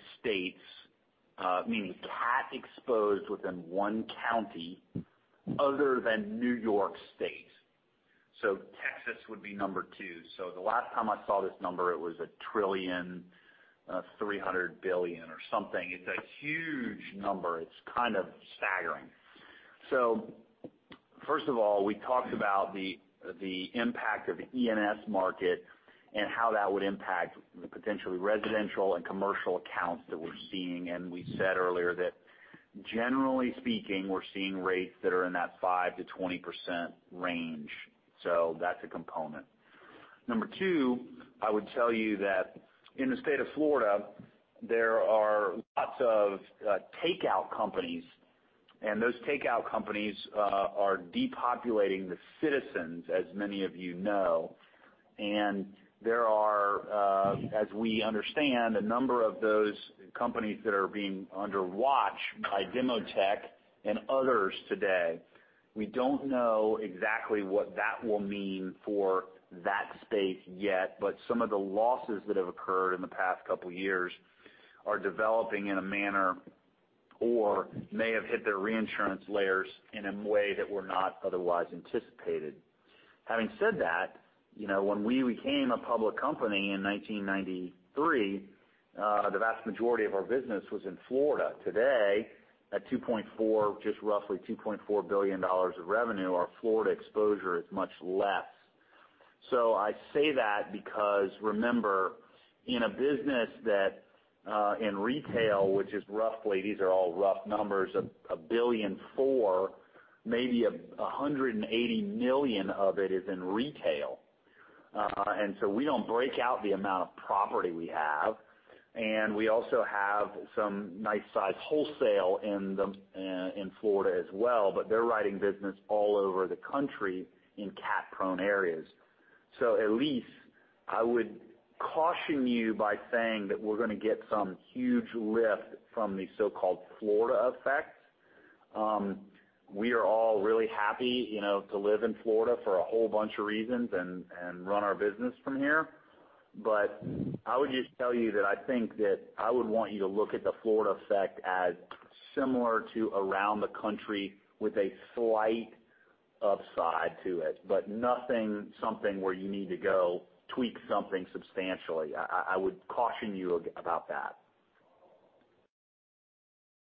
meaning cat exposed within one county other than New York State. Texas would be number 2. The last time I saw this number, it was $1,300 billion or something. It's a huge number. It's kind of staggering. First of all, we talked about the impact of the E&S market and how that would impact the potentially residential and commercial accounts that we're seeing. We said earlier that generally speaking, we're seeing rates that are in that 5%-20% range. That's a component. Number 2, I would tell you that in the state of Florida, there are lots of takeout companies, and those takeout companies are depopulating the Citizens, as many of you know. There are, as we understand, a number of those companies that are being under watch by Demotech and others today. We don't know exactly what that will mean for that space yet, but some of the losses that have occurred in the past couple of years are developing in a manner or may have hit their reinsurance layers in a way that were not otherwise anticipated. Having said that, when we became a public company in 1993, the vast majority of our business was in Florida. Today, at just roughly $2.4 billion of revenue, our Florida exposure is much less. I say that because remember, in a business that in retail, which is roughly, these are all rough numbers, of $1.4 billion, maybe $180 million of it is in retail. We don't break out the amount of property we have. We also have some nice size wholesale in Florida as well, but they're riding business all over the country in cat-prone areas. Elyse, I would caution you by saying that we're going to get some huge lift from the so-called Florida effect. We are all really happy to live in Florida for a whole bunch of reasons and run our business from here. I would just tell you that I think that I would want you to look at the Florida effect as similar to around the country with a slight upside to it, but nothing something where you need to go tweak something substantially. I would caution you about that.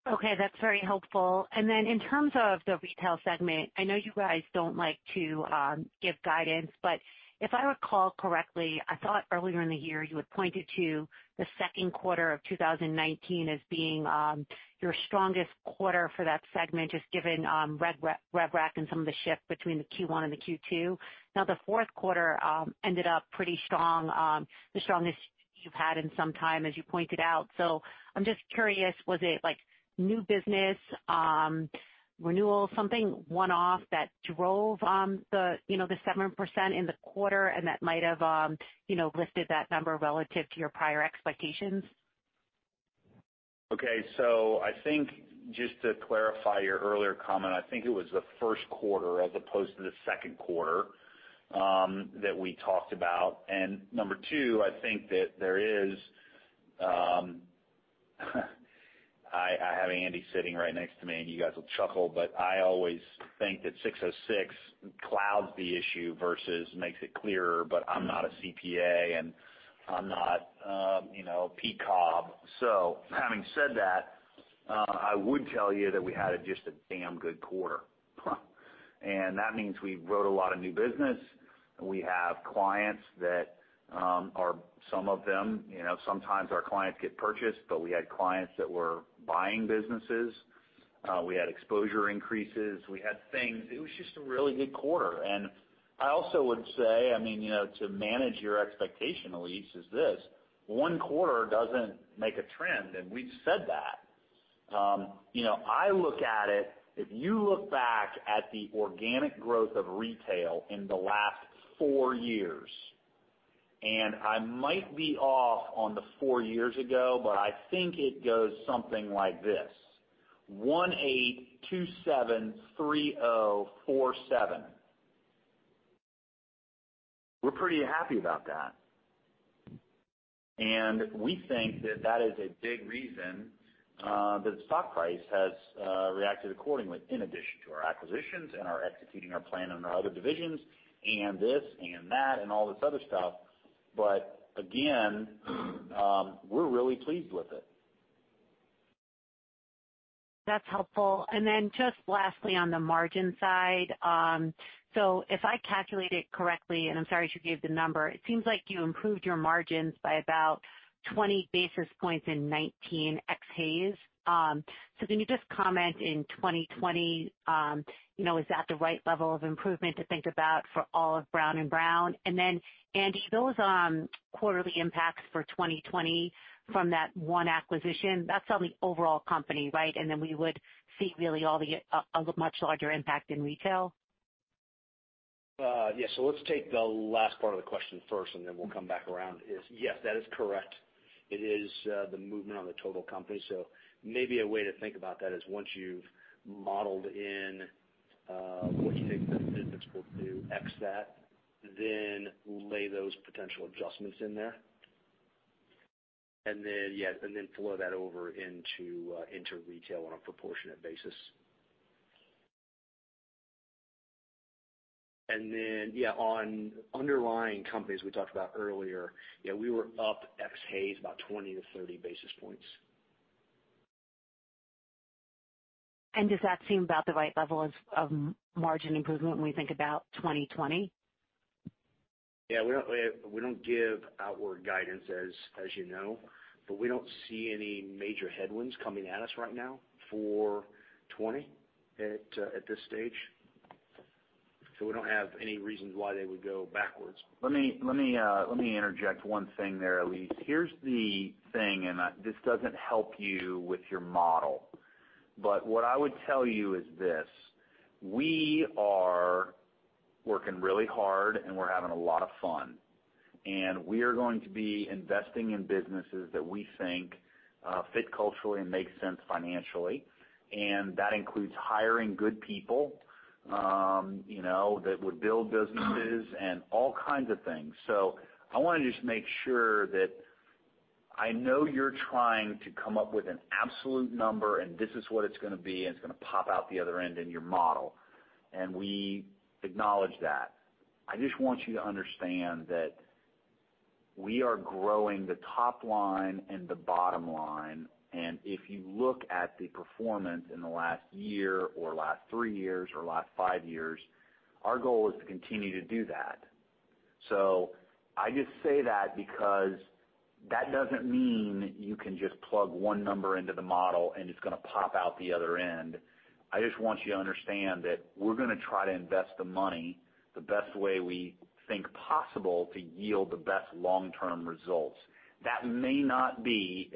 That's very helpful. In terms of the retail segment, I know you guys don't like to give guidance, but if I recall correctly, I thought earlier in the year you had pointed to the second quarter of 2019 as being your strongest quarter for that segment, just given rev rec and some of the shift between the Q1 and the Q2. The fourth quarter ended up pretty strong, the strongest you've had in some time, as you pointed out. I'm just curious, was it new business, renewal, something one-off that drove the 7% in the quarter and that might have lifted that number relative to your prior expectations? Okay. I think just to clarify your earlier comment, I think it was the first quarter as opposed to the second quarter that we talked about. Number two, I think that there is I have Andy sitting right next to me, and you guys will chuckle, but I always think that 606 clouds the issue versus makes it clearer. I'm not a CPA, and I'm not PCAOB. Having said that, I would tell you that we had just a damn good quarter. That means we wrote a lot of new business. We have clients that are, some of them, sometimes our clients get purchased, but we had clients that were buying businesses. We had exposure increases. We had things. It was just a really good quarter. I also would say, to manage your expectation, Elyse, is this. One quarter doesn't make a trend, and we've said that. I look at it, if you look back at the organic growth of retail in the last four years, and I might be off on the four years ago, but I think it goes something like this, 1.8%, 2.7%, 3.0%, 4.7. We're pretty happy about that. We think that that is a big reason that the stock price has reacted accordingly, in addition to our acquisitions and our executing our plan in our other divisions and this and that and all this other stuff. Again, we're really pleased with it. That's helpful. Just lastly, on the margin side. If I calculate it correctly, and I'm sorry to give the number, it seems like you improved your margins by about 20 basis points in 2019 ex Hays. Can you just comment in 2020, is that the right level of improvement to think about for all of Brown & Brown? Andy, those quarterly impacts for 2020 from that one acquisition, that's on the overall company, right? We would see really a much larger impact in retail? Let's take the last part of the question first, then we'll come back around. Yes, that is correct. It is the movement on the total company. Maybe a way to think about that is once you've modeled in what you think the physics will do, ex that, then lay those potential adjustments in there. Flow that over into retail on a proportionate basis. On underlying companies we talked about earlier, we were up ex Hays about 20 to 30 basis points. Does that seem about the right level of margin improvement when we think about 2020? We don't give outward guidance, as you know, but we don't see any major headwinds coming at us right now for 2020 at this stage. We don't have any reasons why they would go backwards. Let me interject one thing there, Elyse. Here's the thing, this doesn't help you with your model, what I would tell you is this. We are working really hard, and we're having a lot of fun. We are going to be investing in businesses that we think fit culturally and make sense financially, that includes hiring good people that would build businesses and all kinds of things. I want to just make sure that I know you're trying to come up with an absolute number, this is what it's going to be, it's going to pop out the other end in your model. We acknowledge that. I just want you to understand that we are growing the top line and the bottom line. If you look at the performance in the last year or last three years or last five years, our goal is to continue to do that. I just say that because that doesn't mean you can just plug one number into the model and it's going to pop out the other end. I just want you to understand that we're going to try to invest the money the best way we think possible to yield the best long-term results. That may not be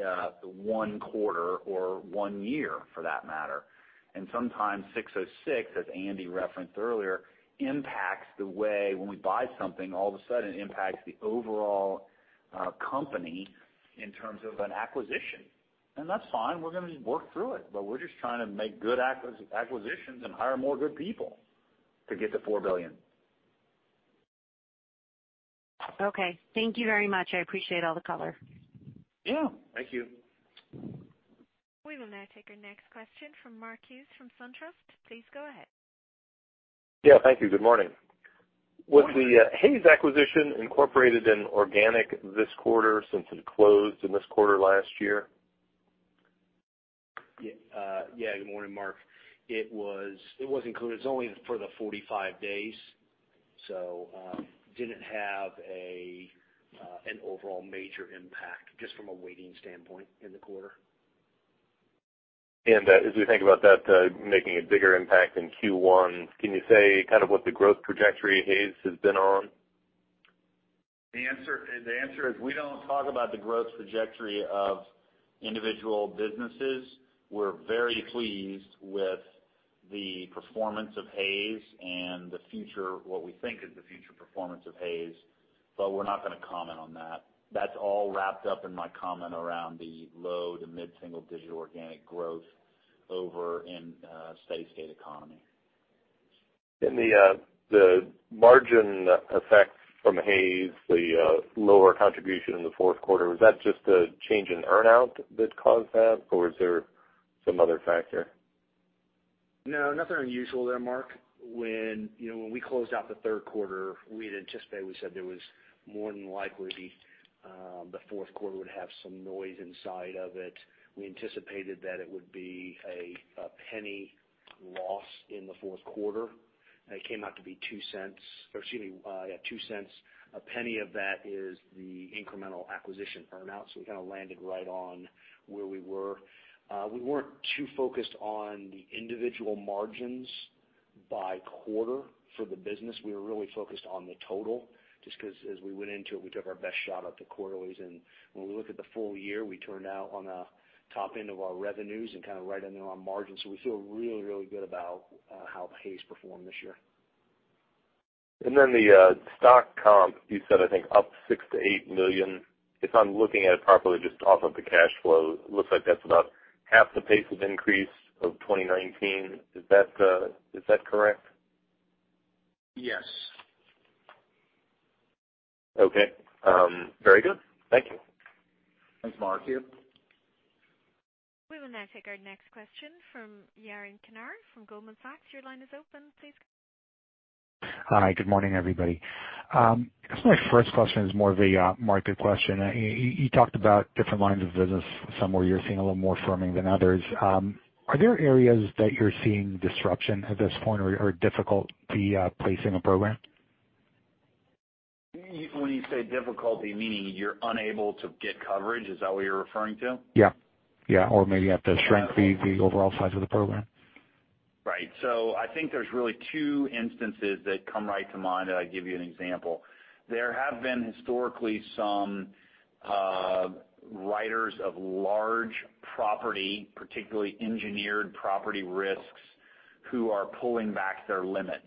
one quarter or one year for that matter. Sometimes 606, as Andy referenced earlier, impacts the way when we buy something, all of a sudden impacts the overall company in terms of an acquisition. That's fine. We're going to work through it. We're just trying to make good acquisitions and hire more good people. To get to $4 billion. Okay. Thank you very much. I appreciate all the color. Yeah. Thank you. We will now take our next question from Mark Hughes from SunTrust. Please go ahead. Yeah, thank you. Good morning. Was the Hays acquisition incorporated in organic this quarter since it closed in this quarter last year? Yeah. Good morning, Mark. It was included. It's only for the 45 days. Didn't have an overall major impact just from a weighting standpoint in the quarter. As we think about that making a bigger impact in Q1, can you say what the growth trajectory Hays has been on? The answer is we don't talk about the growth trajectory of individual businesses. We're very pleased with the performance of Hays and what we think is the future performance of Hays, but we're not going to comment on that. That's all wrapped up in my comment around the low to mid-single-digit organic growth in steady state economy. In the margin effect from Hays, the lower contribution in the fourth quarter, was that just a change in earn-out that caused that, or was there some other factor? No, nothing unusual there, Mark. When we closed out the third quarter, we had anticipated, we said there was more than likely the fourth quarter would have some noise inside of it. We anticipated that it would be a $0.01 loss in the fourth quarter. It came out to be $0.02. A $0.01 of that is the incremental acquisition earn-out, so we kind of landed right on where we were. We weren't too focused on the individual margins by quarter for the business. We were really focused on the total just because as we went into it, we took our best shot at the quarterlies, and when we look at the full year, we turned out on the top end of our revenues and kind of right in there on margins. We feel really, really good about how Hays performed this year. The stock comp, you said, I think up $6 million-$8 million. If I'm looking at it properly, just off of the cash flow, looks like that's about half the pace of increase of 2019. Is that correct? Yes. Okay. Very good. Thank you. Thanks, Mark. We will now take our next question from Yaron Kinar from Goldman Sachs. Your line is open. Please go ahead. Hi, good morning, everybody. I guess my first question is more of a market question. You talked about different lines of business, some where you're seeing a little more firming than others. Are there areas that you're seeing disruption at this point or difficulty placing a program? When you say difficulty, meaning you're unable to get coverage, is that what you're referring to? Yeah. Maybe you have to shrink the overall size of the program. Right. I think there's really two instances that come right to mind, and I'll give you an example. There have been historically some writers of large property, particularly engineered property risks, who are pulling back their limits.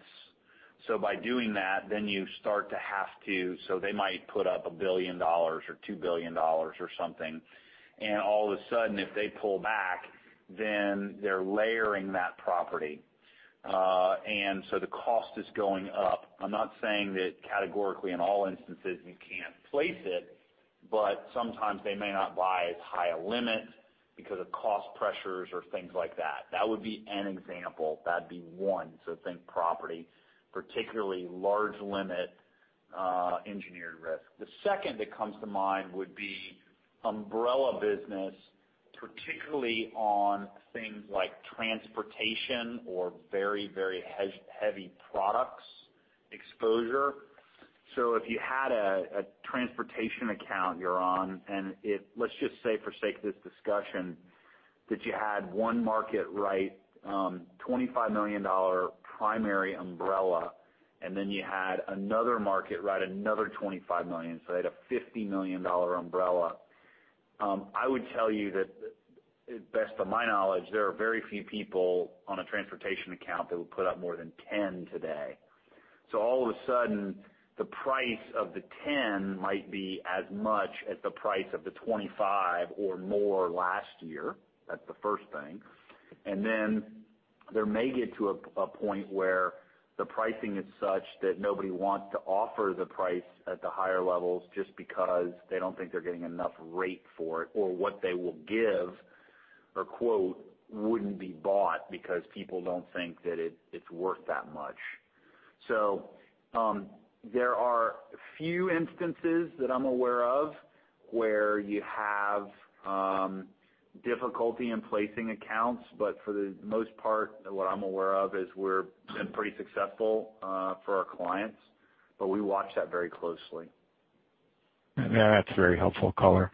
By doing that, then you start to have to, so they might put up $1 billion or $2 billion or something, and all of a sudden, if they pull back, then they're layering that property. The cost is going up. I'm not saying that categorically in all instances, you can't place it, but sometimes they may not buy as high a limit because of cost pressures or things like that. That would be an example. That'd be one. Think property, particularly large limit, engineered risk. The second that comes to mind would be umbrella business, particularly on things like transportation or very heavy products exposure. If you had a transportation account you're on, and let's just say for sake of this discussion, that you had one market write $25 million primary umbrella, and then you had another market write another $25 million, so they had a $50 million umbrella. I would tell you that to best of my knowledge, there are very few people on a transportation account that would put up more than 10 today. All of a sudden, the price of the 10 might be as much as the price of the 25 or more last year. That's the first thing. There may get to a point where the pricing is such that nobody wants to offer the price at the higher levels just because they don't think they're getting enough rate for it, or what they will give or quote wouldn't be bought because people don't think that it's worth that much. There are few instances that I'm aware of where you have difficulty in placing accounts, but for the most part, what I'm aware of is we're pretty successful for our clients, but we watch that very closely. That's very helpful color.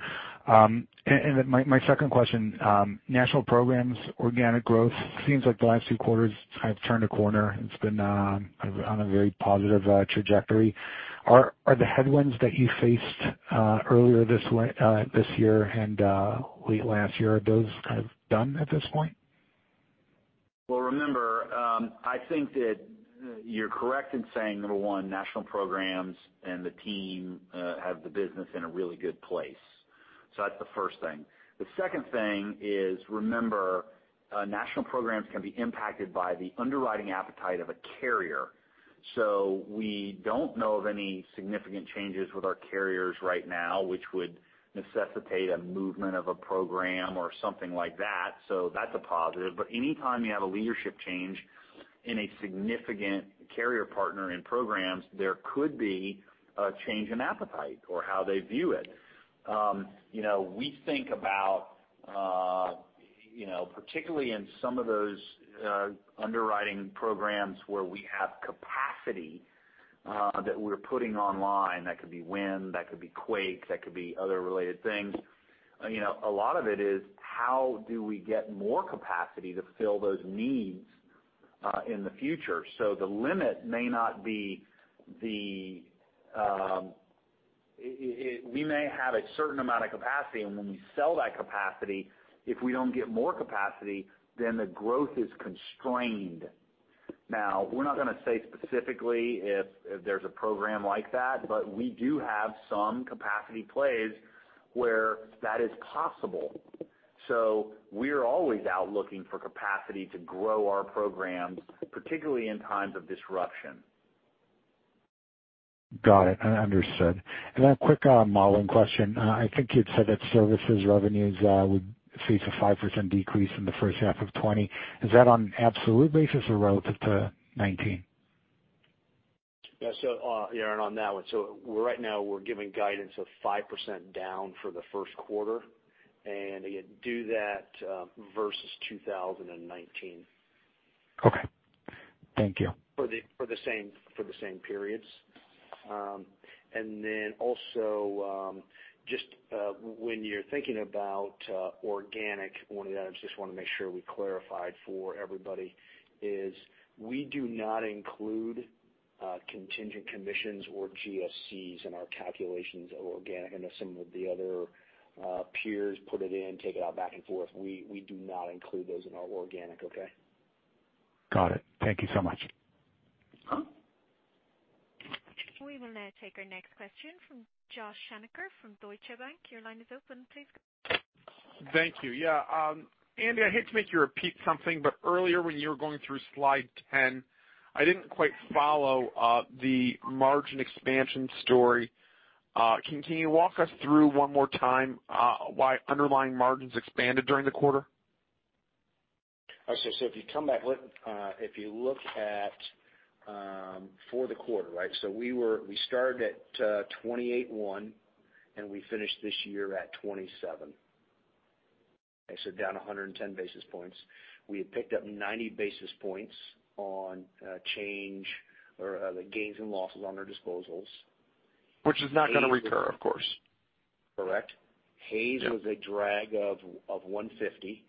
My second question, National Programs, organic growth, seems like the last two quarters have turned a corner. It's been on a very positive trajectory. Are the headwinds that you faced earlier this year and late last year, are those kind of done at this point? Well, remember, I think that you're correct in saying, number 1, National Programs and the team have the business in a really good place That's the first thing. The second thing is, remember, National Programs can be impacted by the underwriting appetite of a carrier. We don't know of any significant changes with our carriers right now, which would necessitate a movement of a program or something like that. That's a positive. Anytime you have a leadership change in a significant carrier partner in programs, there could be a change in appetite or how they view it. We think about, particularly in some of those underwriting programs where we have capacity that we're putting online, that could be wind, that could be quake, that could be other related things. A lot of it is how do we get more capacity to fill those needs in the future. We may have a certain amount of capacity, and when we sell that capacity, if we don't get more capacity, then the growth is constrained. Now, we're not going to say specifically if there's a program like that, but we do have some capacity plays where that is possible. We're always out looking for capacity to grow our programs, particularly in times of disruption. Got it. Understood. A quick modeling question. I think you'd said that services revenues would face a 5% decrease in the first half of 2020. Is that on an absolute basis or relative to 2019? Yaron, on that one. Right now we're giving guidance of 5% down for the first quarter, and do that versus 2019. Okay. Thank you. For the same periods. Just when you're thinking about organic, one of the items just want to make sure we clarified for everybody is we do not include contingent commissions or GSCs in our calculations of organic. I know some of the other peers put it in, take it out, back and forth. We do not include those in our organic, okay. Got it. Thank you so much. We will now take our next question from Joshua Shanker from Deutsche Bank. Your line is open, please. Thank you. Andy, I hate to make you repeat something, earlier when you were going through slide 10, I didn't quite follow the margin expansion story. Can you walk us through one more time why underlying margins expanded during the quarter? If you come back, if you look at for the quarter, right. We started at 28.1%, and we finished this year at 27%. Down 110 basis points. We had picked up 90 basis points on change or the gains and losses on our disposals. Which is not going to recur, of course. Correct. Hays was a drag of 150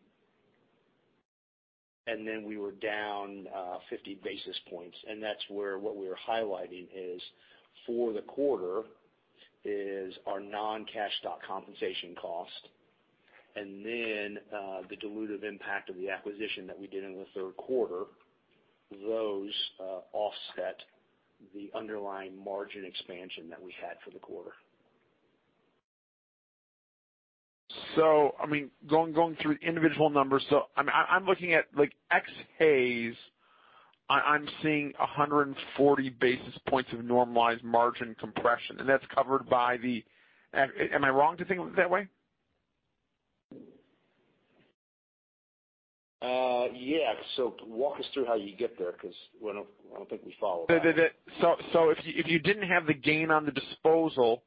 basis points, and then we were down 50 basis points. That's where what we were highlighting is for the quarter is our non-cash stock compensation cost and then the dilutive impact of the acquisition that we did in the third quarter. Those offset the underlying margin expansion that we had for the quarter. Going through individual numbers, so I'm looking at ex Hays, I'm seeing 140 basis points of normalized margin compression. That's covered by the, am I wrong to think of it that way? Yeah. Walk us through how you get there, because I don't think we follow that. If you didn't have the gain on the disposal,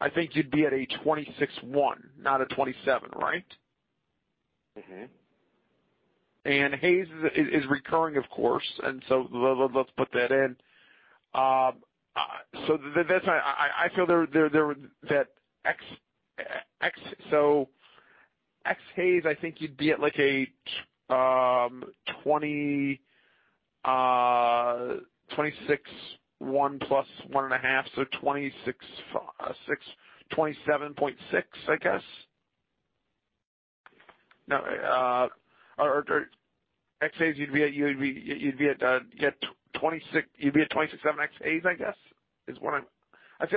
I think you'd be at a 26.1, not a 27, right? Hays is recurring, of course. Let's put that in. That's why I feel there were that. Ex Hays, I think you'd be at like a 26.1 plus 1.5, so 27.6, I guess. No. Ex Hays, you'd be at 26.7 ex Hays, I guess, is what I'm. Am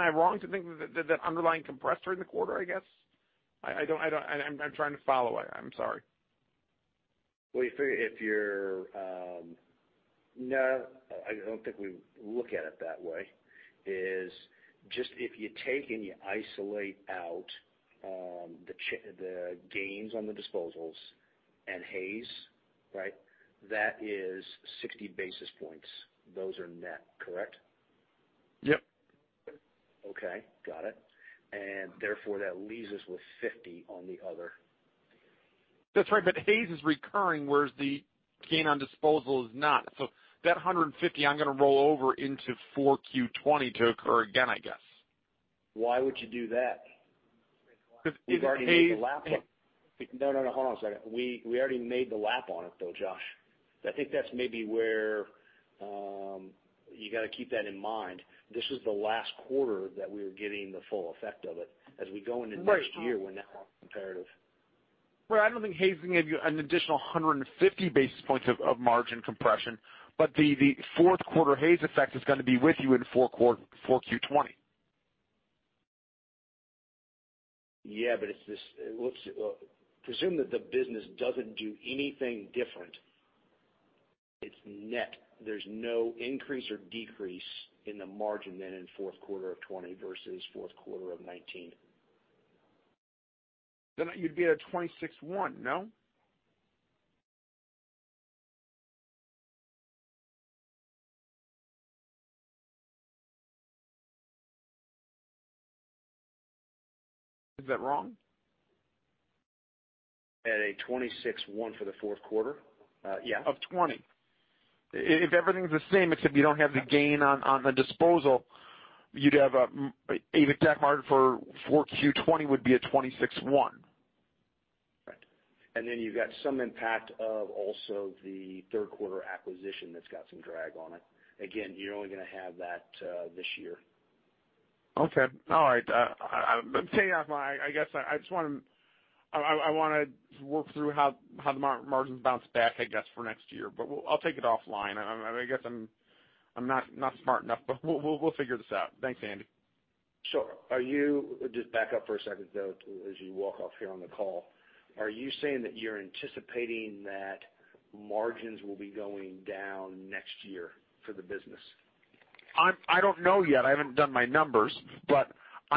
I wrong to think that underlying compressed during the quarter, I guess? I'm trying to follow. I'm sorry. If you're. No, I don't think we look at it that way, is just if you take and you isolate out the gains on the disposals and Hays, right? That is 60 basis points. Those are net, correct? Yep. Okay. Got it. Therefore, that leaves us with 50 on the other. That's right. Hays is recurring, whereas the gain on disposal is not. That $150, I'm going to roll over into 4Q20 to occur again, I guess. Why would you do that? Hays- No, hold on a second. We already made the lap on it, though, Josh. I think that's maybe where you got to keep that in mind. This was the last quarter that we were getting the full effect of it. As we go into next year, we're now more comparative. Well, I don't think Hays can give you an additional 150 basis points of margin compression, but the fourth quarter Hays effect is going to be with you in 4Q20. Yeah. Presume that the business doesn't do anything different. It's net. There's no increase or decrease in the margin then in fourth quarter of 2020 versus fourth quarter of 2019. You'd be at a 26.1, no? Is that wrong? At a 26.1 for the fourth quarter? Yeah. Of '20. If everything's the same, except you don't have the gain on the disposal, you'd have EBITDA margin for 4Q20 would be a 26.1. Right. You've got some impact of also the third quarter acquisition that's got some drag on it. Again, you're only going to have that this year. Okay. All right. I want to work through how the margins bounce back, I guess, for next year. I'll take it offline. I guess I'm not smart enough, we'll figure this out. Thanks, Andy. Sure. Just back up for a second, though, as you walk off here on the call. Are you saying that you're anticipating that margins will be going down next year for the business? I don't know yet. I haven't done my numbers, I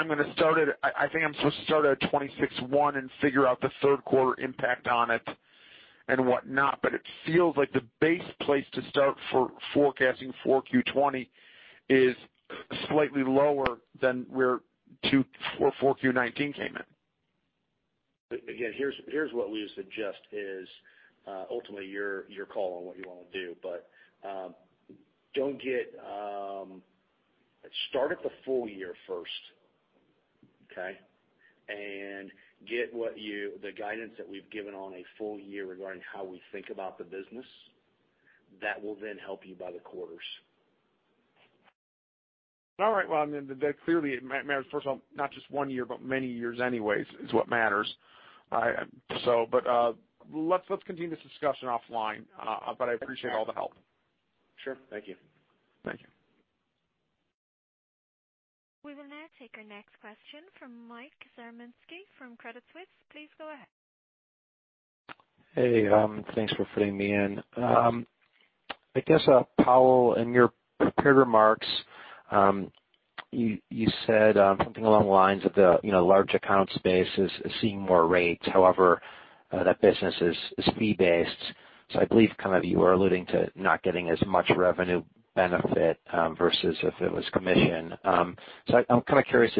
think I'm supposed to start at 26.1 and figure out the third quarter impact on it and whatnot. It feels like the base place to start for forecasting 4Q 2020 is slightly lower than where 4Q 2019 came in. Again, here's what we would suggest is, ultimately your call on what you want to do. Start at the full year first, okay? Get the guidance that we've given on a full year regarding how we think about the business. That will then help you by the quarters. All right. Clearly, first of all, not just one year, many years anyways is what matters. Let's continue this discussion offline. I appreciate all the help. Sure. Thank you. Thank you. We will now take our next question from Michael Zaremski from Credit Suisse. Please go ahead. Hey, thanks for fitting me in. I guess, Powell, in your prepared remarks, you said something along the lines of the large account space is seeing more rates. That business is fee-based. I believe you are alluding to not getting as much revenue benefit, versus if it was commission. I'm curious,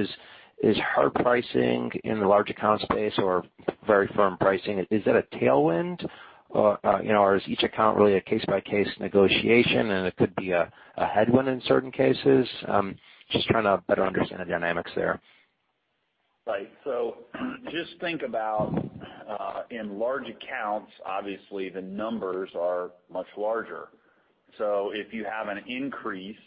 is hard pricing in the large account space or very firm pricing, is that a tailwind? Or is each account really a case-by-case negotiation and it could be a headwind in certain cases? Just trying to better understand the dynamics there. Right. Just think about, in large accounts, obviously the numbers are much larger. If you have an increase,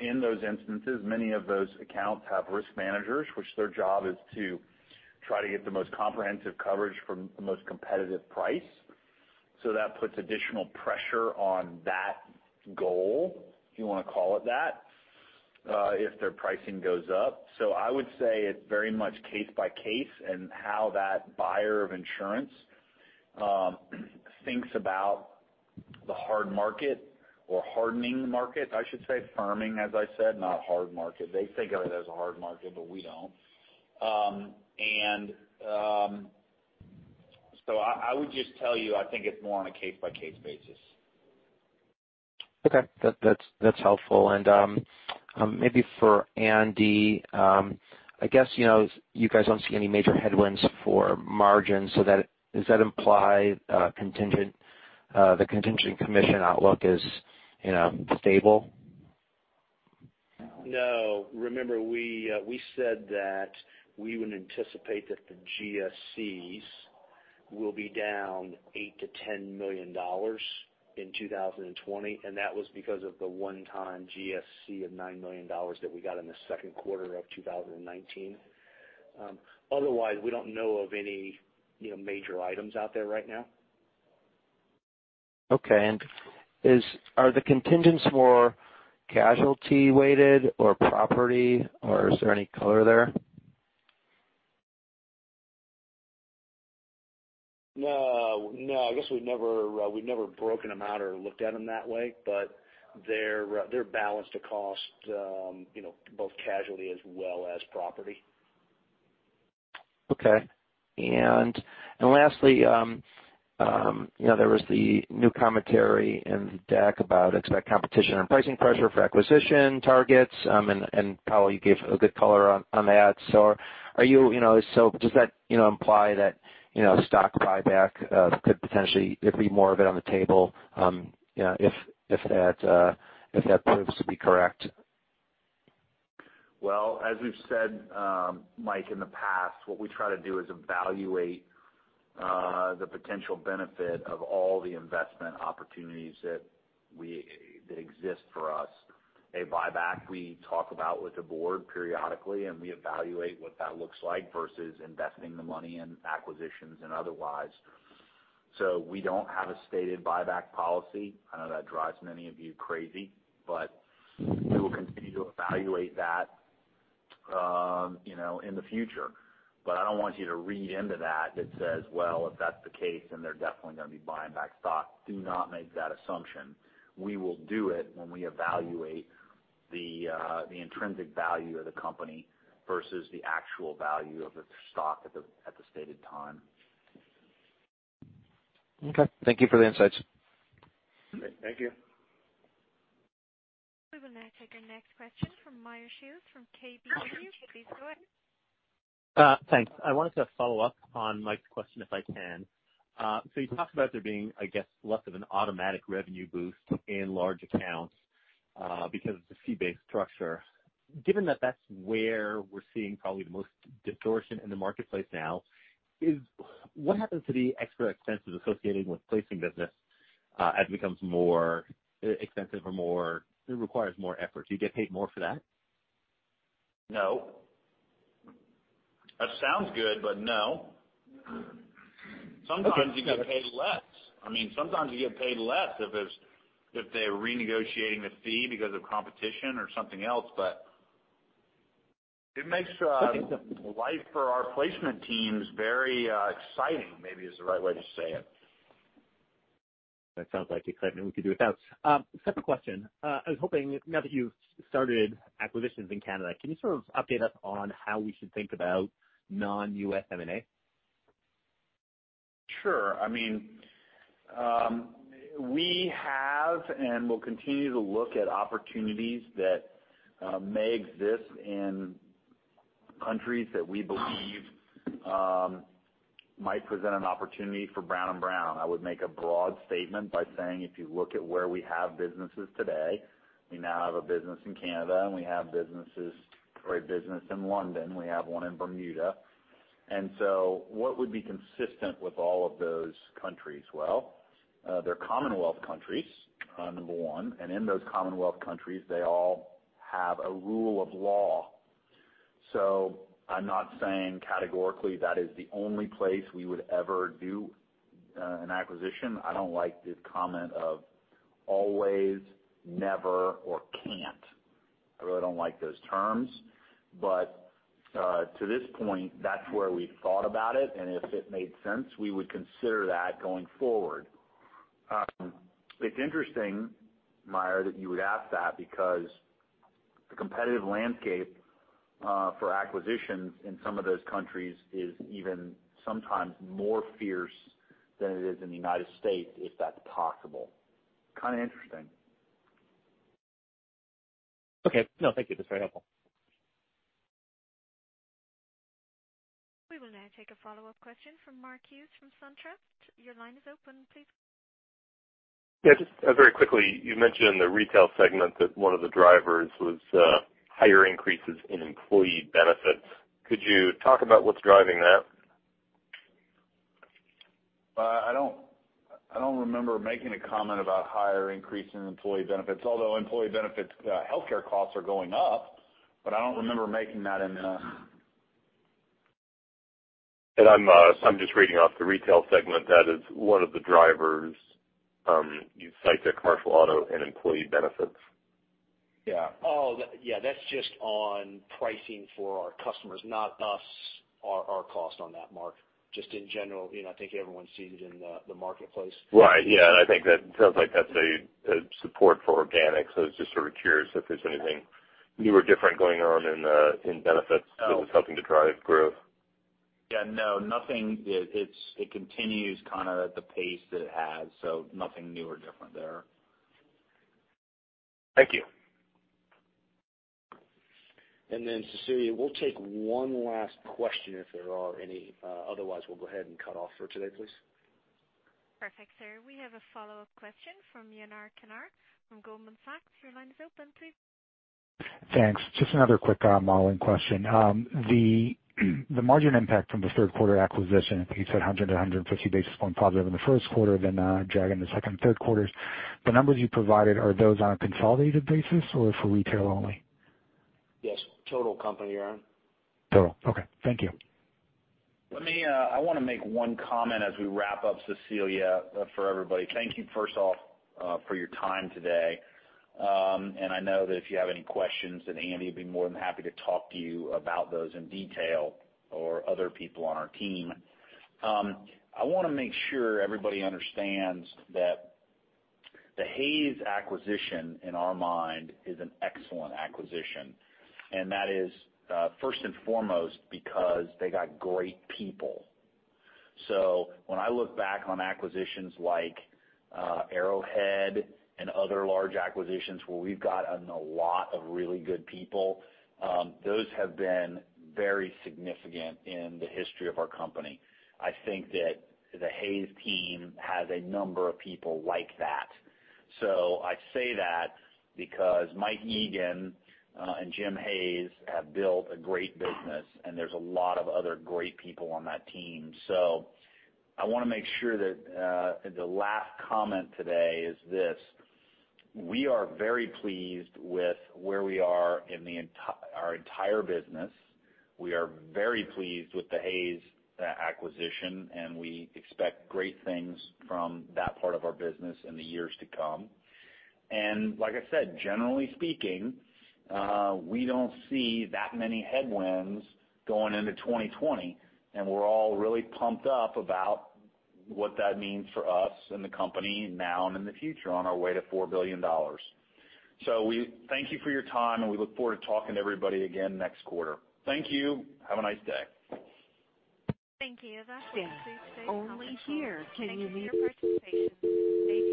in those instances, many of those accounts have risk managers, which their job is to try to get the most comprehensive coverage for the most competitive price. That puts additional pressure on that goal, if you want to call it that, if their pricing goes up. I would say it's very much case by case and how that buyer of insurance thinks about the hard market or hardening market, I should say. Firming, as I said, not hard market. They think of it as a hard market, but we don't. I would just tell you, I think it's more on a case-by-case basis. Okay. That's helpful. Maybe for Andy, I guess you guys don't see any major headwinds for margins, so does that imply the contingent commission outlook is stable? No. Remember, we said that we would anticipate that the GSCs will be down $8 million-$10 million in 2020. That was because of the one-time GSC of $9 million that we got in the second quarter of 2019. Otherwise, we don't know of any major items out there right now. Okay. Are the contingents more casualty-weighted or property, or is there any color there? No. I guess we've never broken them out or looked at them that way, but they're balanced to cost both casualty as well as property. Lastly, there was the new commentary in the deck about expect competition and pricing pressure for acquisition targets. Powell, you gave a good color on that. Does that imply that stock buyback could potentially be more of it on the table if that proves to be correct? Well, as we've said, Mike, in the past, what we try to do is evaluate the potential benefit of all the investment opportunities that exist for us. A buyback we talk about with the board periodically, and we evaluate what that looks like versus investing the money in acquisitions and otherwise. We don't have a stated buyback policy. I know that drives many of you crazy, but we will continue to evaluate that in the future. I don't want you to read into that says, well, if that's the case, then they're definitely going to be buying back stock. Do not make that assumption. We will do it when we evaluate the intrinsic value of the company versus the actual value of the stock at the stated time. Okay. Thank you for the insights. Thank you. We will now take our next question from Meyer Shields from KBW. Please go ahead. Thanks. I wanted to follow up on Mike's question, if I can. You talked about there being, I guess, less of an automatic revenue boost in large accounts because of the fee-based structure. Given that that's where we're seeing probably the most distortion in the marketplace now, what happens to the extra expenses associated with placing business as it becomes more expensive or it requires more effort? Do you get paid more for that? No. That sounds good, but no. Okay. Sometimes you get paid less. Sometimes you get paid less if they're renegotiating the fee because of competition or something else. It makes life for our placement teams very exciting, maybe is the right way to say it. That sounds like excitement we could do without. Second question. I was hoping now that you've started acquisitions in Canada, can you sort of update us on how we should think about non-U.S. M&A? Sure. We have and will continue to look at opportunities that may exist in countries that we believe might present an opportunity for Brown & Brown. I would make a broad statement by saying, if you look at where we have businesses today, we now have a business in Canada, and we have businesses or a business in London. We have one in Bermuda. What would be consistent with all of those countries? Well, they're Commonwealth countries, number one. In those Commonwealth countries, they all have a rule of law. I'm not saying categorically that is the only place we would ever do an acquisition. I don't like the comment of always, never, or can't. I really don't like those terms. To this point, that's where we've thought about it, and if it made sense, we would consider that going forward. It's interesting, Meyer, that you would ask that because the competitive landscape for acquisitions in some of those countries is even sometimes more fierce than it is in the United States, if that's possible. Kind of interesting. Okay. No, thank you. That's very helpful. We will now take a follow-up question from Mark Hughes from SunTrust. Your line is open. Please go ahead. Yeah, just very quickly, you mentioned in the retail segment that one of the drivers was higher increases in employee benefits. Could you talk about what's driving that? I don't remember making a comment about higher increase in employee benefits, although employee benefit healthcare costs are going up, but I don't remember making that in the I'm just reading off the retail segment. That is one of the drivers you cite there, commercial auto and employee benefits. Yeah. Oh, yeah. That's just on pricing for our customers, not us, our cost on that, Mark. Just in general, I think everyone sees it in the marketplace. Right. Yeah. I think that sounds like that's a support for organic, so I was just sort of curious if there's anything new or different going on in benefits- No. -that was helping to drive growth. Yeah, no, nothing. It continues kind of at the pace it has, so nothing new or different there. Thank you. Cecilia, we'll take one last question if there are any. Otherwise, we'll go ahead and cut off for today, please. Perfect, sir. We have a follow-up question from Yaron Kinar from Goldman Sachs. Your line is open, please. Thanks. Just another quick modeling question. The margin impact from the third quarter acquisition, I think you said 100 to 150 basis point positive in the first quarter, then drag in the second and third quarters. The numbers you provided, are those on a consolidated basis or for retail only? Yes. Total company, Yaron. Total. Okay. Thank you. I want to make one comment as we wrap up, Cecilia, for everybody. Thank you first off for your time today. I know that if you have any questions, Andy would be more than happy to talk to you about those in detail or other people on our team. I want to make sure everybody understands that the Hays acquisition, in our mind, is an excellent acquisition, and that is first and foremost because they got great people. When I look back on acquisitions like Arrowhead and other large acquisitions where we've gotten a lot of really good people, those have been very significant in the history of our company. I think that the Hays team has a number of people like that. I say that because Mike Egan and Jim Hays have built a great business, and there's a lot of other great people on that team. I want to make sure that the last comment today is this. We are very pleased with where we are in our entire business. We are very pleased with the Hays acquisition, and we expect great things from that part of our business in the years to come. Like I said, generally speaking, we don't see that many headwinds going into 2020, and we're all really pumped up about what that means for us and the company now and in the future on our way to $4 billion. We thank you for your time, and we look forward to talking to everybody again next quarter. Thank you. Have a nice day. Thank you. That concludes today's conference call. Thank you for your participation.